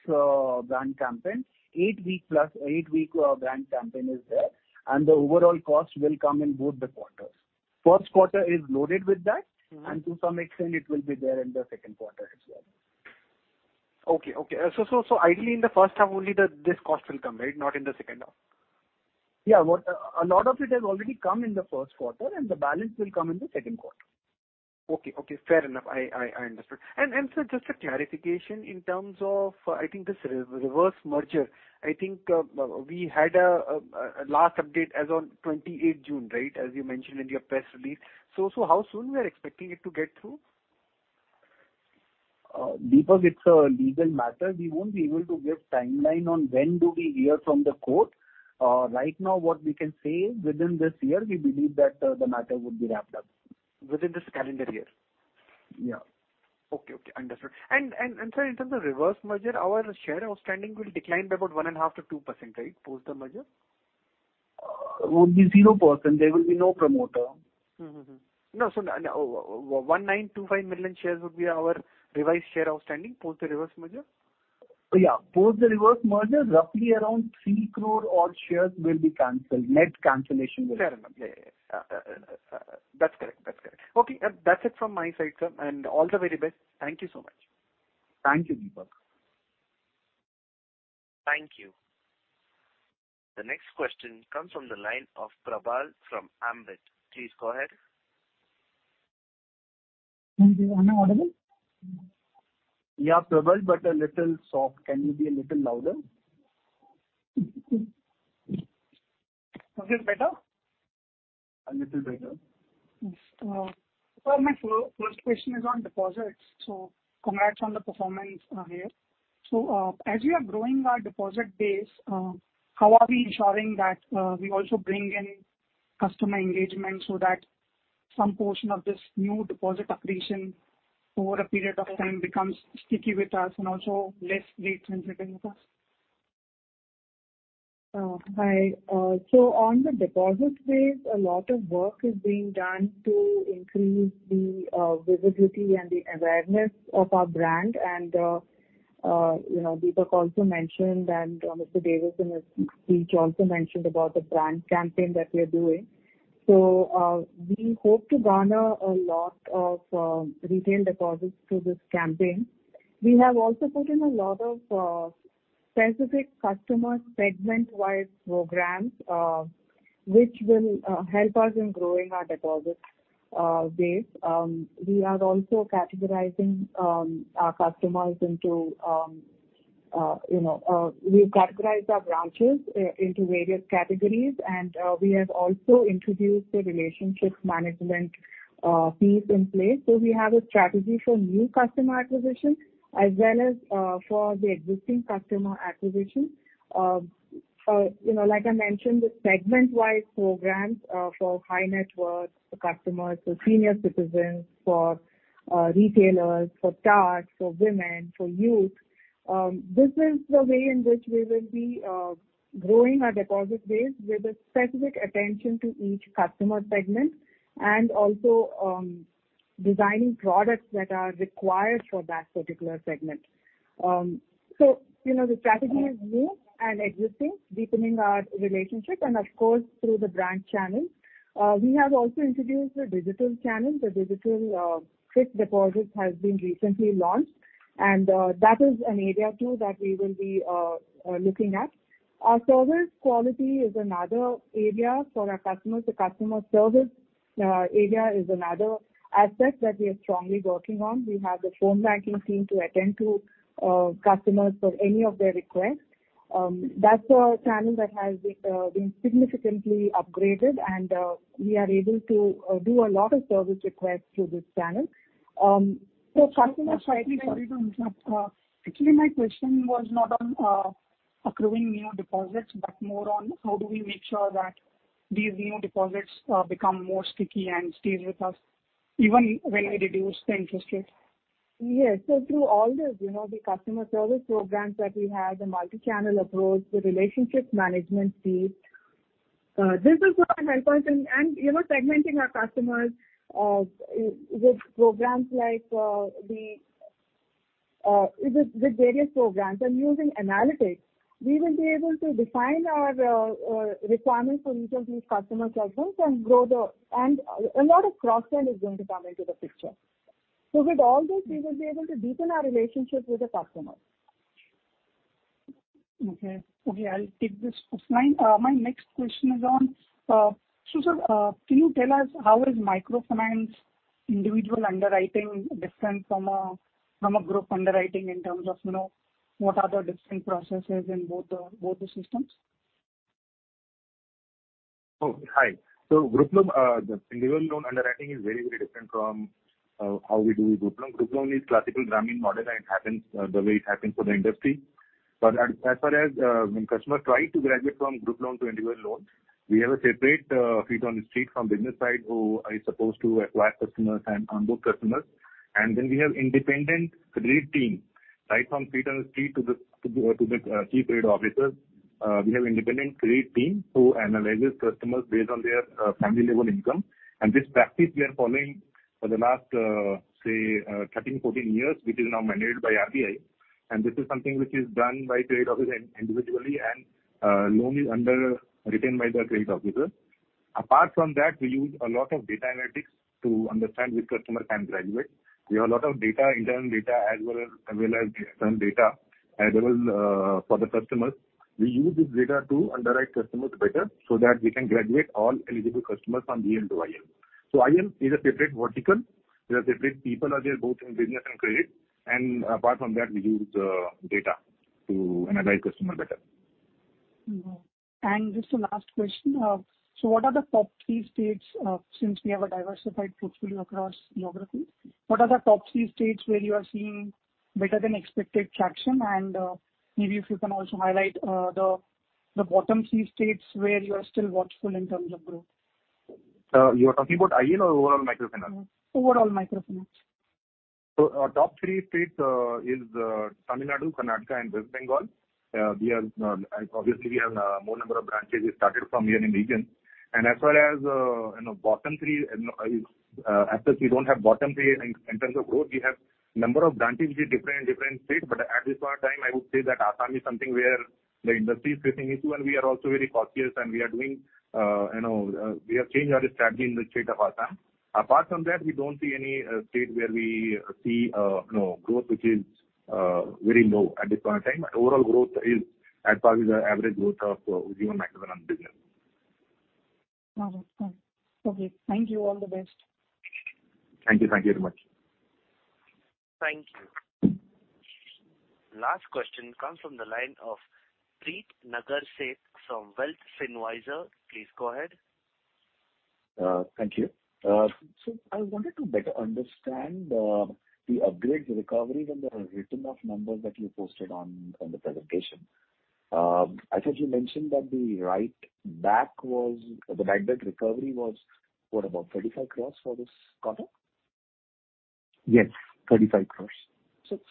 brand campaign. 8 week plus, 8 week brand campaign is there. The overall cost will come in both the quarters. Q1 is loaded with that. To some extent, it will be there in the Q2 as well. Okay, okay. Ideally in the first half only the, this cost will come, right? Not in the second half. Yeah. A lot of it has already come in the Q1, and the balance will come in the Q2. Okay, okay, fair enough. I understand. Sir, just a clarification in terms of, I think this reverse merger. I think we had a last update as on 28 June, right? As you mentioned in your press release. How soon we are expecting it to get through? Deepak, it's a legal matter. We won't be able to give timeline on when do we hear from the court. Right now, what we can say is within this year, we believe that the matter would be wrapped up. Within this calendar year? Yeah. Okay. Understood. Sir, in terms of reverse merger, our share outstanding will decline by about 1.5%-2%, right, post the merger? it will be 0%. There will be no promoter. 1,925 million shares would be our revised share outstanding, post the reverse merger? Yeah. Post the reverse merger, roughly around 3 crore, all shares will be canceled. Fair enough. Yeah. That's correct. That's correct. Okay, that's it from my side, sir, and all the very best. Thank you so much. Thank you, Deepak. Thank you. The next question comes from the line of Prabal from Ambit. Please go ahead. Am I audible? Yeah, Prabal, but a little soft. Can you be a little louder? Is it better? A little better. Yes. My first question is on deposits. Congrats on the performance, here. As we are growing our deposit base, how are we ensuring that we also bring in customer engagement so that some portion of this new deposit accretion over a period of time becomes sticky with us and also less rate sensitive with us? Hi. So on the deposit base, a lot of work is being done to increase the visibility and the awareness of our brand. You know, Deepak also mentioned, and Mr. Davis also mentioned about the brand campaign that we are doing. We hope to garner a lot of retail deposits through this campaign. We have also put in a lot of specific customer segment-wide programs, which will help us in growing our deposit base. We are also categorizing our customers into, you know... We've categorized our branches into various categories, and we have also introduced a relationship management fees in place. We have a strategy for new customer acquisition, as well as for the existing customer acquisition. You know, like I mentioned, the segment-wide programs, for high net worth customers, for senior citizens, for retailers, for starts, for women, for youth. This is the way in which we will be growing our deposit base with a specific attention to each customer segment, and also, designing products that are required for that particular segment. You know, the strategy is new and existing, deepening our relationship and of course, through the brand channels. We have also introduced a digital channel. The digital fixed deposit has been recently launched, and that is an area too, that we will be looking at. Our service quality is another area for our customers. The customer service area is another aspect that we are strongly working on. We have a phone banking team to attend to customers for any of their requests. That's a channel that has been significantly upgraded, and we are able to do a lot of service requests through this channel. customer- Sorry to interrupt. Actually, my question was not on accruing new deposits, but more on how do we make sure that these new deposits become more sticky and stays with us, even when we reduce the interest rate? Yes. Through all this, you know, the customer service programs that we have, the multi-channel approach, the relationship management team, this is what will help us. You know, segmenting our customers with programs like the with various programs and using analytics, we will be able to define our requirements for each of these customer segments. A lot of cross-sell is going to come into the picture. With all this, we will be able to deepen our relationship with the customer. Okay. Okay, I'll take this offline. My next question is on, sir, can you tell us how is microfinance individual underwriting different from a group underwriting in terms of, you know, what are the different processes in both the systems? Hi. Group loan, the individual loan underwriting is very, very different from how we do group loan. Group loan is classical Grameen model, and it happens the way it happens for the industry. As far as when customer try to graduate from group loan to individual loans, we have a separate feet on the street from business side, who are supposed to acquire customers and onboard customers. Then we have independent credit team.... Right from street and street to the, to the, credit officers, we have independent trade team who analyzes customers based on their, uh, family level income. And this practice we are following for the last say, thirteen, fourteen years, which is now mandated by RBI. And this is something which is done by trade office in- individually, and, loan is underwritten by the trade officer. Apart from that, we use a lot of data analytics to understand which customer can graduate. We have a lot of data, internal data, as well as, as well as certain data, as well, for the customers. We use this data to underwrite customers better so that we can graduate all eligible customers from DM to IM. So IM is a separate vertical. There are separate people there, both in business and credit, and apart from that, we use data to analyze customer better. Just the last question. What are the top 3 states, since we have a diversified portfolio across geography, what are the top 3 states where you are seeing better than expected traction? Maybe if you can also highlight the bottom 3 states where you are still watchful in terms of growth. You are talking about IM or overall microfinance? Overall microfinance. Our top three states is Tamil Nadu, Karnataka, and West Bengal. We have, obviously, we have more number of branches. We started from here in the region. As far as, you know, bottom three, and as such, we don't have bottom three in terms of growth. We have number of branches which is different in different states, but at this point in time, I would say that Assam is something where the industry is facing issue, and we are also very cautious and we are doing, you know, we have changed our strategy in the state of Assam. Apart from that, we don't see any state where we see no growth, which is very low at this point in time, but overall growth is at par with the average growth of Ujjivan Microfinance business. Okay. Thank you. All the best. Thank you. Thank you very much. Thank you. Last question comes from the line of Preet Nagarsheth from Wealth incviser. Please go ahead. Thank you. I wanted to better understand the upgrade, the recoveries and the written off numbers that you posted on the presentation. I thought you mentioned that the write back was, the write back recovery was, what, about 35 crores for this quarter? Yes, 35 crores.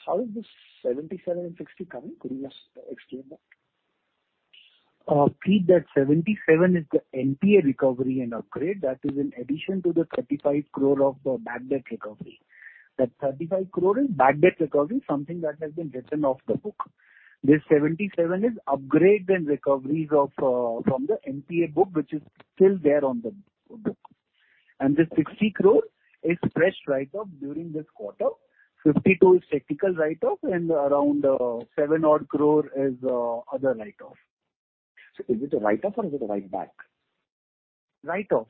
How is this 77 and 60 coming? Could you just explain that? Preet, that 77 is the NPA recovery and upgrade. That is in addition to the 35 crore of the bad debt recovery. That 35 crore is bad debt recovery, something that has been written off the book. This 77 is upgrade and recoveries of from the NPA book, which is still there on the book. This 60 crore is fresh write-off during this quarter. 52 is technical write-off, and around 7 odd crore is other write-off. Is it a write-off or is it a write-back? Write-off.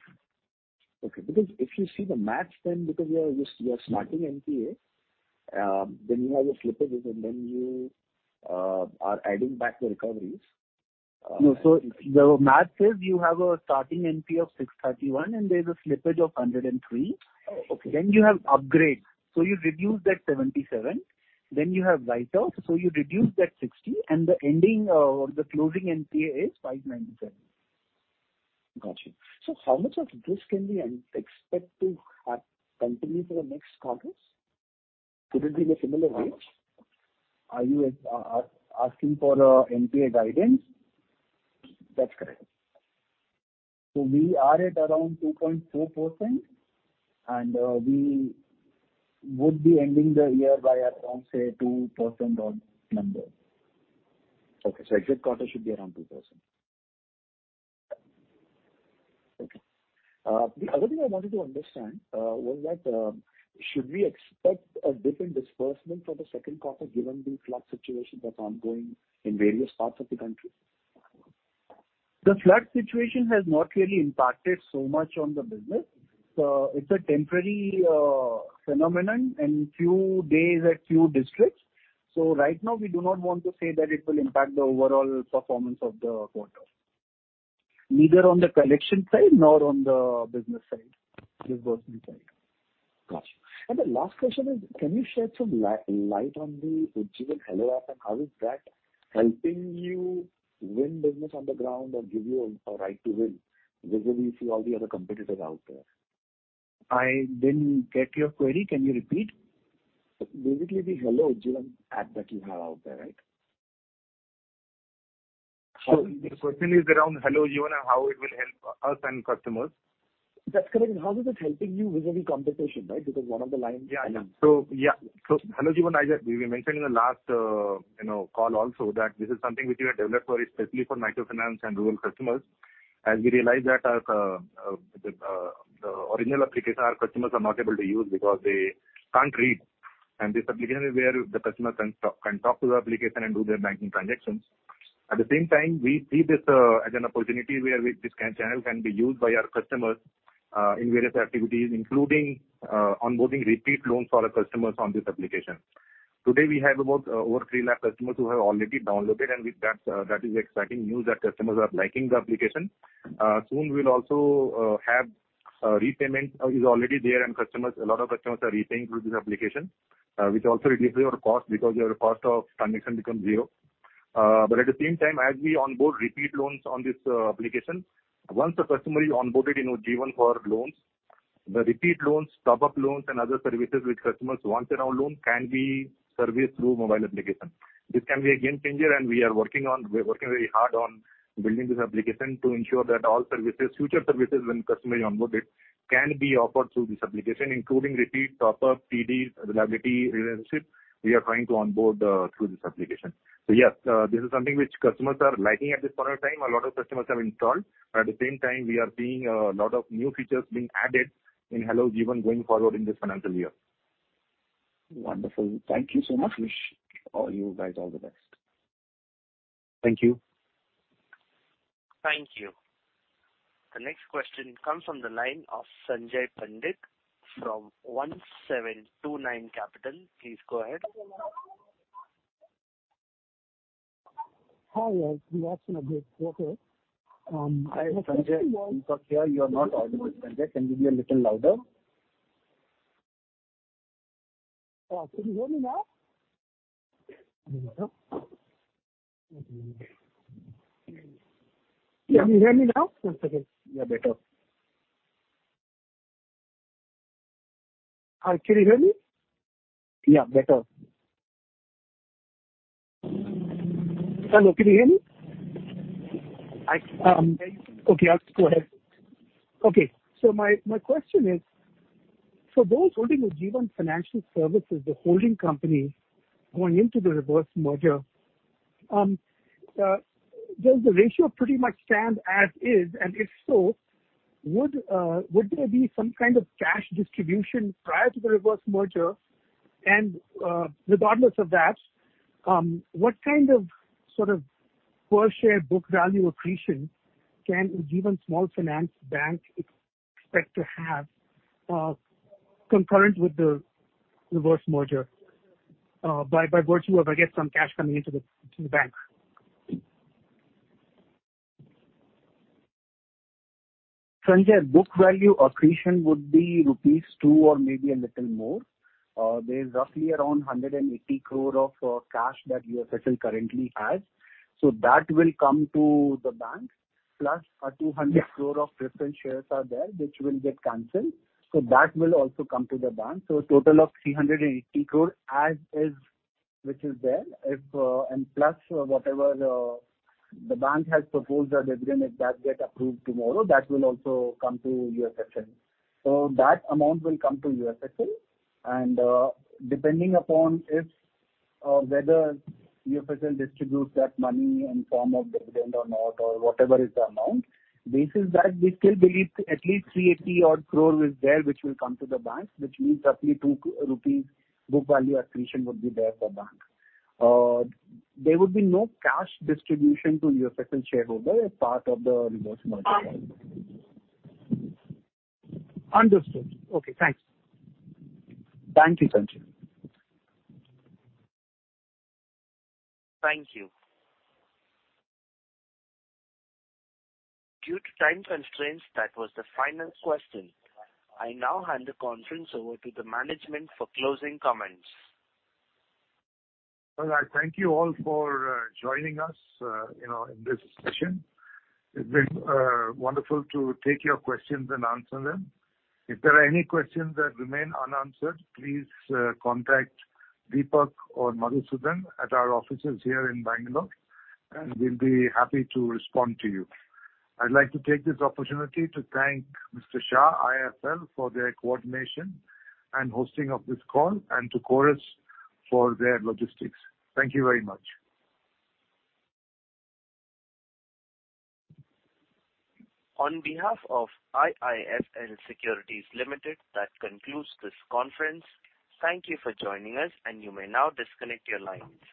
Okay. If you see the math, then because you are starting NPA, then you have your slippages, and then you are adding back the recoveries. No. The math says you have a starting NPA of 631, and there's a slippage of 103. Oh, okay. You have upgrade, so you reduce that 77. You have write-off, so you reduce that 60, and the ending, or the closing NPA is 597. Got you. How much of this can we expect to continue for the next quarters? Will it be in a similar range? Are you asking for a NPA guidance? That's correct. We are at around 2.4%, and we would be ending the year by around, say, 2% odd number. Okay. Next quarter should be around 2%. Okay. The other thing I wanted to understand was that, should we expect a different disbursement for the Q2, given the flood situation that's ongoing in various parts of the country? The flood situation has not really impacted so much on the business. It's a temporary phenomenon in few days at few districts. Right now, we do not want to say that it will impact the overall performance of the quarter, neither on the collection side nor on the business side, disbursement side. Got you. The last question is, can you shed some light on the Hello Ujjivan app, and how is that helping you win business on the ground or give you a right to win, vis-a-vis all the other competitors out there? I didn't get your query. Can you repeat? Basically, the Hello Ujjivan app that you have out there, right? The question is around Hello Ujjivan and how it will help us and customers. That's correct. How is it helping you vis-a-vis competition, right? One of the lines- Hello Ujjivan, as we mentioned in the last, you know, call also that this is something which we have developed for, especially for microfinance and rural customers, as we realize that the original application, our customers are not able to use because they can't read. This application is where the customer can talk to the application and do their banking transactions. At the same time, we see this as an opportunity where this channel can be used by our customers in various activities, including onboarding repeat loans for our customers on this application. Today, we have about over 3 lakh customers who have already downloaded it, with that is exciting news that customers are liking the application. Soon we'll also have repayment is already there, customers... A lot of customers are repaying through this application, which also reduces your cost because your cost of transaction becomes zero. At the same time, as we onboard repeat loans on this, application, once a customer is onboarded, you know. The repeat loans, top-up loans, and other services which customers want in our loan can be serviced through mobile application. This can be a game changer, and we are working very hard on building this application to ensure that all services, future services, when customer is onboarded, can be offered through this application, including repeat, top-up, CDs, reliability, relationship. We are trying to onboard through this application. Yes, this is something which customers are liking at this point in time. A lot of customers have installed, at the same time, we are seeing a lot of new features being added in Hello Ujjivan going forward in this financial year. Wonderful. Thank you so much. Wish all you guys, all the best. Thank you. Thank you. The next question comes from the line of Sanjay Pandit from 1729 Capital. Please go ahead. Hi, guys. We ask an update, okay? Hi, Sanjay. We can't hear. You are not audible, Sanjay. Can you be a little louder? Can you hear me now? Can you hear me now? One second. Yeah, better. Can you hear me? Yeah, better. Hello, can you hear me? I Okay, I'll go ahead. Okay. My question is, for those holding the Ujjivan Financial Services, the holding company, going into the reverse merger, does the ratio pretty much stand as is? If so, would there be some kind of cash distribution prior to the reverse merger? Regardless of that, what kind of sort of per-share book value accretion can Ujjivan Small Finance Bank expect to have concurrent with the reverse merger by virtue of, I guess, some cash coming into the, into the bank? Sanjay, book value accretion would be rupees 2 or maybe a little more. There is roughly around 180 crore of cash that UFL currently has. That will come to the bank, plus a 200 crore- Yeah of different shares are there, which will get canceled. That will also come to the bank. A total of 380 crore as is, which is there. If and plus, whatever, the Bank has proposed a dividend, if that get approved tomorrow, that will also come to UFL. That amount will come to UFL, and depending upon if whether UFL distributes that money in form of dividend or not, or whatever is the amount, this is that we still believe at least 380 crore is there, which will come to the Bank, which means roughly 2 rupees book value accretion would be there for Bank. There would be no cash distribution to UFL shareholder as part of the reverse merger. Understood. Okay, thanks. Thank you, Sanjay. Thank you. Due to time constraints, that was the final question. I now hand the conference over to the management for closing comments. Well, I thank you all for joining us, you know, in this session. It's been wonderful to take your questions and answer them. If there are any questions that remain unanswered, please contact Deepak or Madhusudan at our offices here in Bangalore, and we'll be happy to respond to you. I'd like to take this opportunity to thank Mr. Shah, IIFL for their coordination and hosting of this call, and to Chorus for their logistics. Thank you very much. On behalf of IIFL Securities Limited, that concludes this conference. Thank you for joining us, and you may now disconnect your lines.